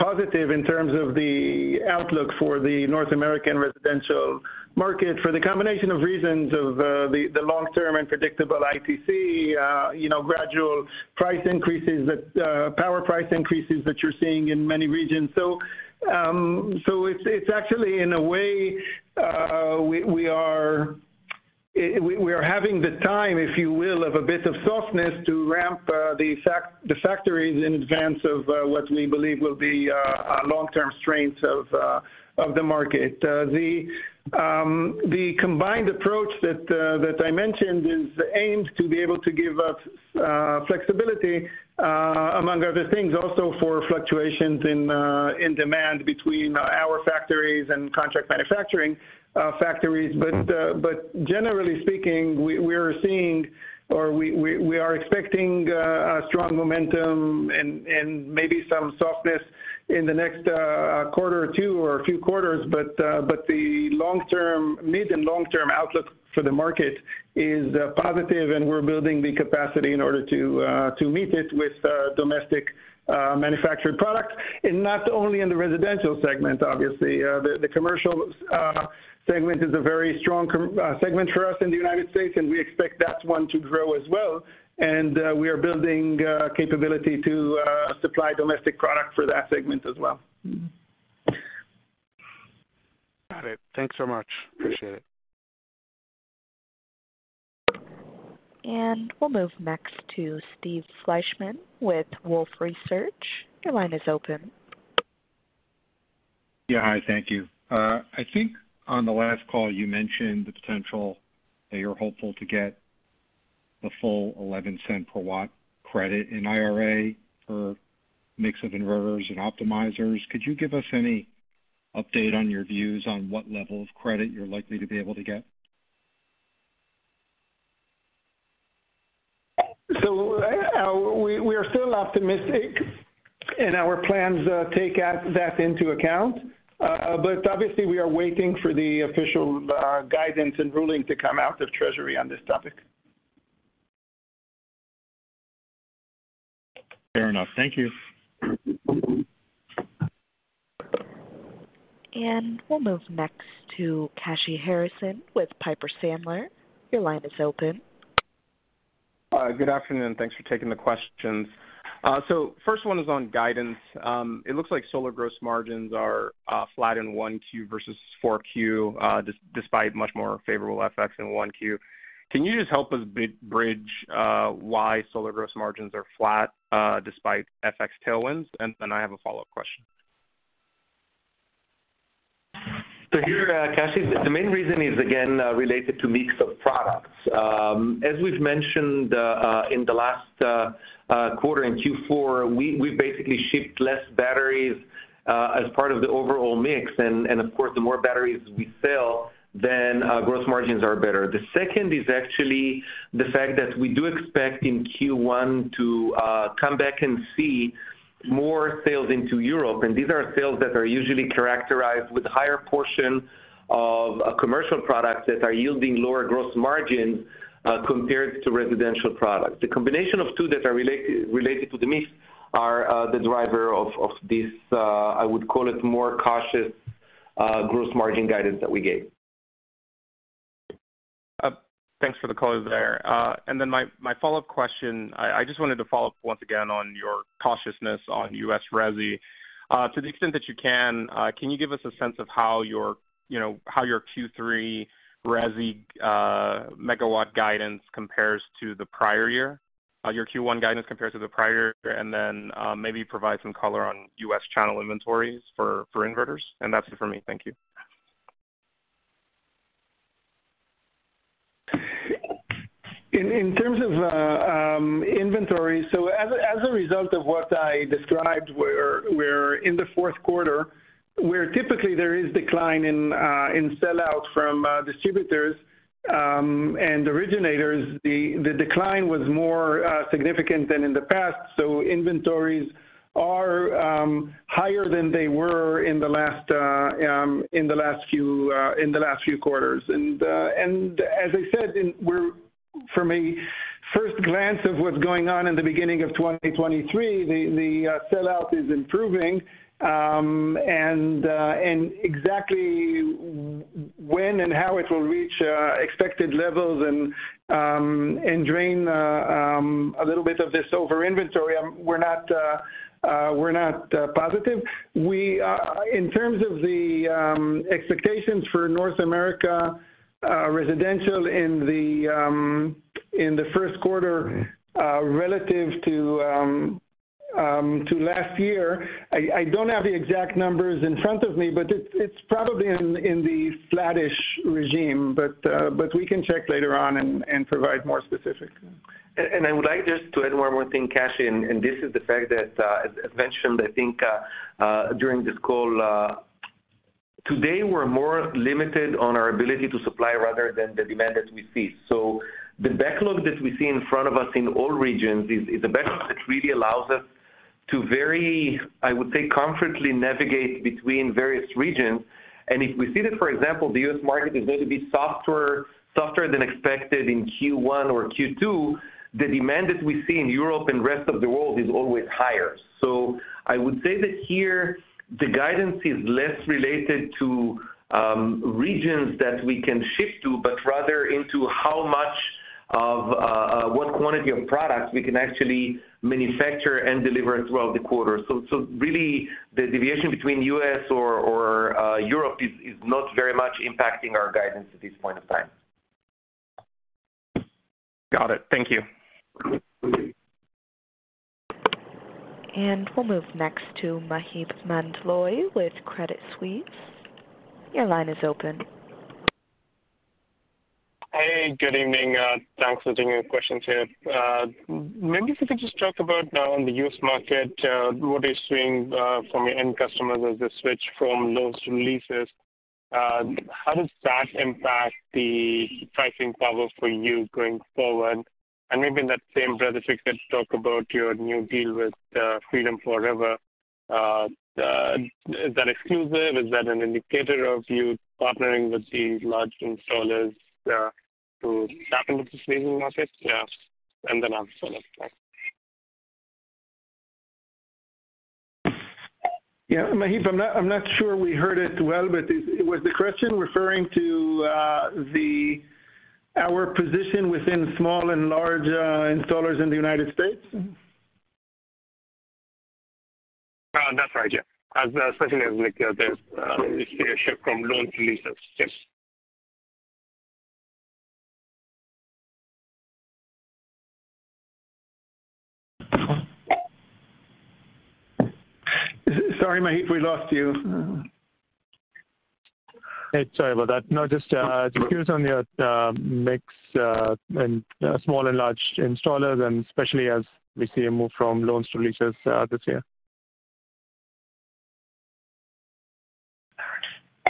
positive in terms of the outlook for the North American residential market for the combination of reasons of the long-term and predictable ITC, you know, gradual price increases that power price increases that you're seeing in many regions. It's actually in a way, we are having the time, if you will, of a bit of softness to ramp the factories in advance of what we believe will be a long-term strength of the market. The combined approach that I mentioned is aimed to be able to give us flexibility among other things also for fluctuations in demand between our factories and contract manufacturing factories. Generally speaking, we are seeing or we are expecting a strong momentum and maybe some softness in the next quarter or two or a few quarters. The mid and long-term outlook for the market is positive, and we're building the capacity in order to meet it with domestic manufactured products. Not only in the residential segment, obviously. The commercial segment is a very strong segment for us in the United States, and we expect that one to grow as well. We are building capability to supply domestic product for that segment as well. Got it. Thanks so much. Appreciate it. We'll move next to Steve Fleishman with Wolfe Research. Your line is open. Yeah. Hi, thank you. I think on the last call, you mentioned the potential that you're hopeful to get the full $0.11 per watt credit in IRA for mix of inverters and optimizers. Could you give us any update on your views on what level of credit you're likely to be able to get? We are still optimistic, and our plans take that into account. Obviously we are waiting for the official guidance and ruling to come out of Treasury on this topic. Fair enough. Thank you. We'll move next to Kashy Harrison with Piper Sandler. Your line is open. Good afternoon. Thanks for taking the questions. First one is on guidance. It looks like solar gross margins are flat in 1Q versus 4Q despite much more favorable FX in 1Q. Can you just help us bridge why solar gross margins are flat despite FX tailwinds? I have a follow-up question. Here, Kashy, the main reason is again related to mix of products. As we've mentioned, in the last quarter in Q4, we basically shipped less batteries as part of the overall mix. Of course, the more batteries we sell then, gross margins are better. The second is actually the fact that we do expect in Q1 to come back and see more sales into Europe. These are sales that are usually characterized with a higher portion of commercial products that are yielding lower gross margin compared to residential products. The combination of two that are related to the mix are the driver of this I would call it more cautious gross margin guidance that we gave. Thanks for the color there. My follow-up question. I just wanted to follow up once again on your cautiousness on U.S. resi. To the extent that you can you give us a sense of how your, you know, how your Q3 resi megawatt guidance compares to the prior year? Your Q1 guidance compares to the prior year. Then, maybe provide some color on U.S. channel inventories for inverters. That's it for me. Thank you. In terms of inventory, as a result of what I described where in the fourth quarter, where typically there is decline in sellout from distributors and originators, the decline was more significant than in the past. Inventories are higher than they were in the last few quarters. As I said, for me, first glance of what's going on in the beginning of 2023, the sellout is improving. Exactly w-when and how it will reach expected levels and drain a little bit of this over inventory, we're not positive. In terms of the expectations for North America, residential in the first quarter, relative to last year, I don't have the exact numbers in front of me, but it's probably in the flattish regime. We can check later on and provide more specifics. I would like just to add one more thing, Kashy, and this is the fact that, as mentioned, I think, during this call, today, we're more limited on our ability to supply rather than the demand that we see. The backlog that we see in front of us in all regions is the backlog that really allows us to very, I would say, comfortably navigate between various regions. If we see that, for example, the U.S. market is going to be softer than expected in Q1 or Q2, the demand that we see in Europe and rest of the world is always higher. I would say that here the guidance is less related to regions that we can shift to, but rather into how much of what quantity of products we can actually manufacture and deliver throughout the quarter. Really the deviation between U.S. or Europe is not very much impacting our guidance at this point in time. Got it. Thank you. We'll move next to Maheep Mandloi with Credit Suisse. Your line is open. Hey, good evening. Thanks for taking the questions here. Maybe if you could just talk about on the U.S. market, what are you seeing from your end customers as they switch from loans to leases? How does that impact the pricing power for you going forward? Maybe in that same breath, if you could talk about your new deal with Freedom Forever. Is that exclusive? Is that an indicator of you partnering with the large installers to tap into the leasing market? Yeah. I'll follow up. Thanks. Yeah. Maheep, I'm not sure we heard it well, but was the question referring to our position within small and large installers in the United States? That's right, yeah. Especially as there's a shift from loans to leases. Yes. Sorry, Maheep, we lost you. Sorry about that. Just curious on your mix, and small and large installers, and especially as we see a move from loans to leases, this year.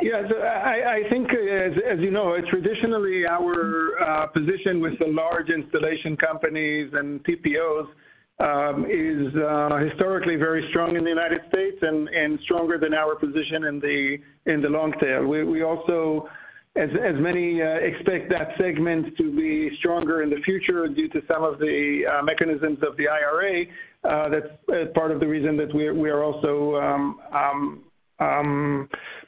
Yes. I think, as you know, traditionally, our position with the large installation companies and TPOs is historically very strong in the United States and stronger than our position in the long tail. We also, as many expect that segment to be stronger in the future due to some of the mechanisms of the IRA, that's part of the reason that we are also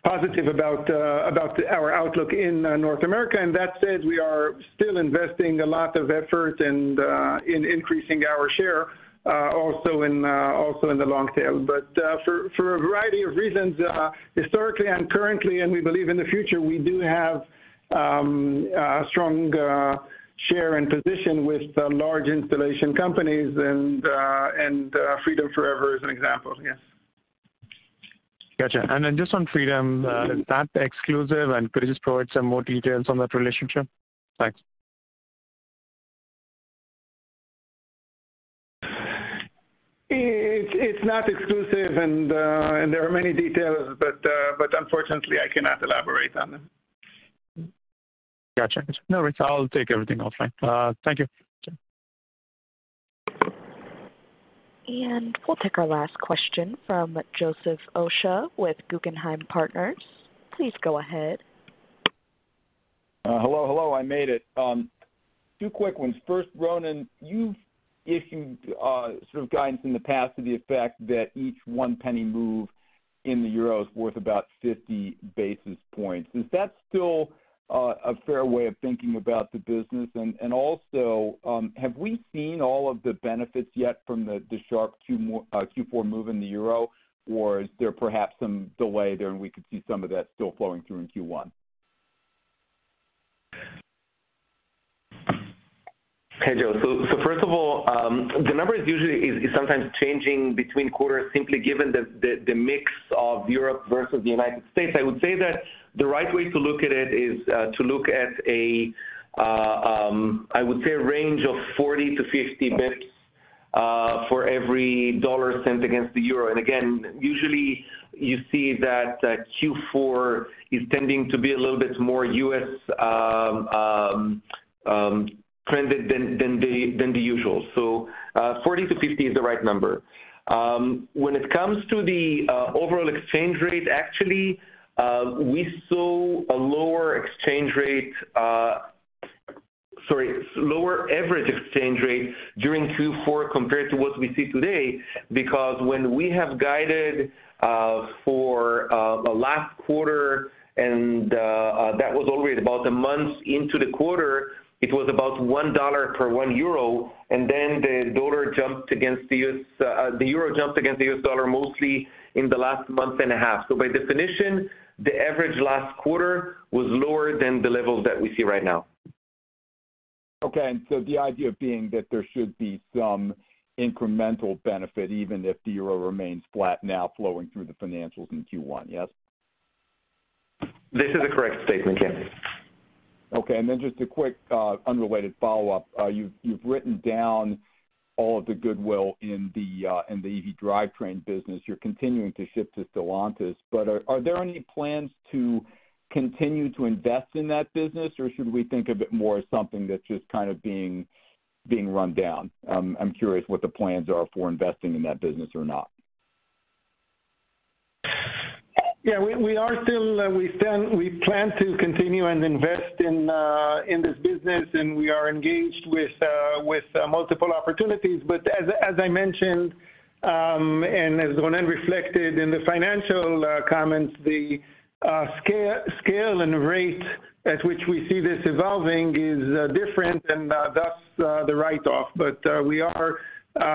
positive about our outlook in North America. That said, we are still investing a lot of effort and in increasing our share also in the long tail. For a variety of reasons, historically and currently, and we believe in the future, we do have strong share and position with the large installation companies and Freedom Forever is an example. Yes. Gotcha. Then just on Freedom, is that exclusive? Could you just provide some more details on that relationship? Thanks. It's not exclusive, and there are many details, but unfortunately, I cannot elaborate on them. Gotcha. No worries. I'll take everything offline. Thank you. Sure. We'll take our last question from Joseph Osha with Guggenheim Securities. Please go ahead. Hello, hello, I made it. Two quick ones. First, Ronen, you've issued sort of guidance in the past to the effect that each 1 penny move in the euro is worth about 50 basis points. Is that still a fair way of thinking about the business? Also, have we seen all of the benefits yet from the sharp Q4 Q4 move in the euro? Is there perhaps some delay there, and we could see some of that still flowing through in Q1? Hey, Joe. First of all, the number is usually sometimes changing between quarters simply given the mix of Europe versus the United States. I would say that the right way to look at it is to look at a, I would say a range of 40 to 50 bps for every $1 sent against the Euro. Again, usually you see that Q4 is tending to be a little bit more U.S.. Trended than the usual. 40 to 50 is the right number. When it comes to the overall exchange rate, actually, we saw a lower exchange rate. Sorry, lower average exchange rate during Q4 compared to what we see today, because when we have guided for the last quarter and that was already about a month into the quarter, it was about $1 per 1 euro, and then the euro jumped against the U.S. dollar mostly in the last month and a half. By definition, the average last quarter was lower than the levels that we see right now. Okay. The idea being that there should be some incremental benefit even if the euro remains flat now flowing through the financials in Q1, yes? This is a correct statement, yes. Okay. Just a quick, unrelated follow-up. You've written down all of the goodwill in the EV drivetrain business you're continuing to ship to Stellantis. Are there any plans to continue to invest in that business, or should we think of it more as something that's just kind of being run down? I'm curious what the plans are for investing in that business or not. Yeah, we are still we plan to continue and invest in this business, and we are engaged with multiple opportunities. As I mentioned, and as Ronen reflected in the financial comments, the scale and rate at which we see this evolving is different and thus the write-off. We are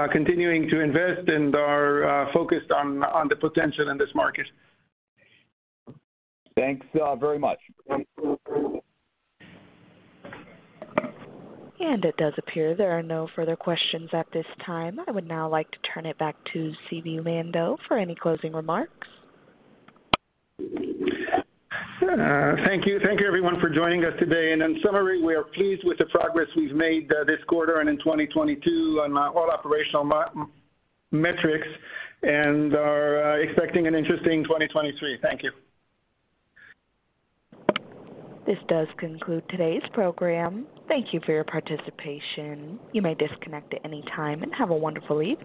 continuing to invest and are focused on the potential in this market. Thanks, very much. It does appear there are no further questions at this time. I would now like to turn it back to Zvi Lando for any closing remarks. Thank you. Thank you everyone for joining us today. In summary, we are pleased with the progress we've made, this quarter and in 2022 on, all operational metrics and are expecting an interesting 2023. Thank you. This does conclude today's program. Thank you for your participation. You may disconnect at any time, and have a wonderful evening.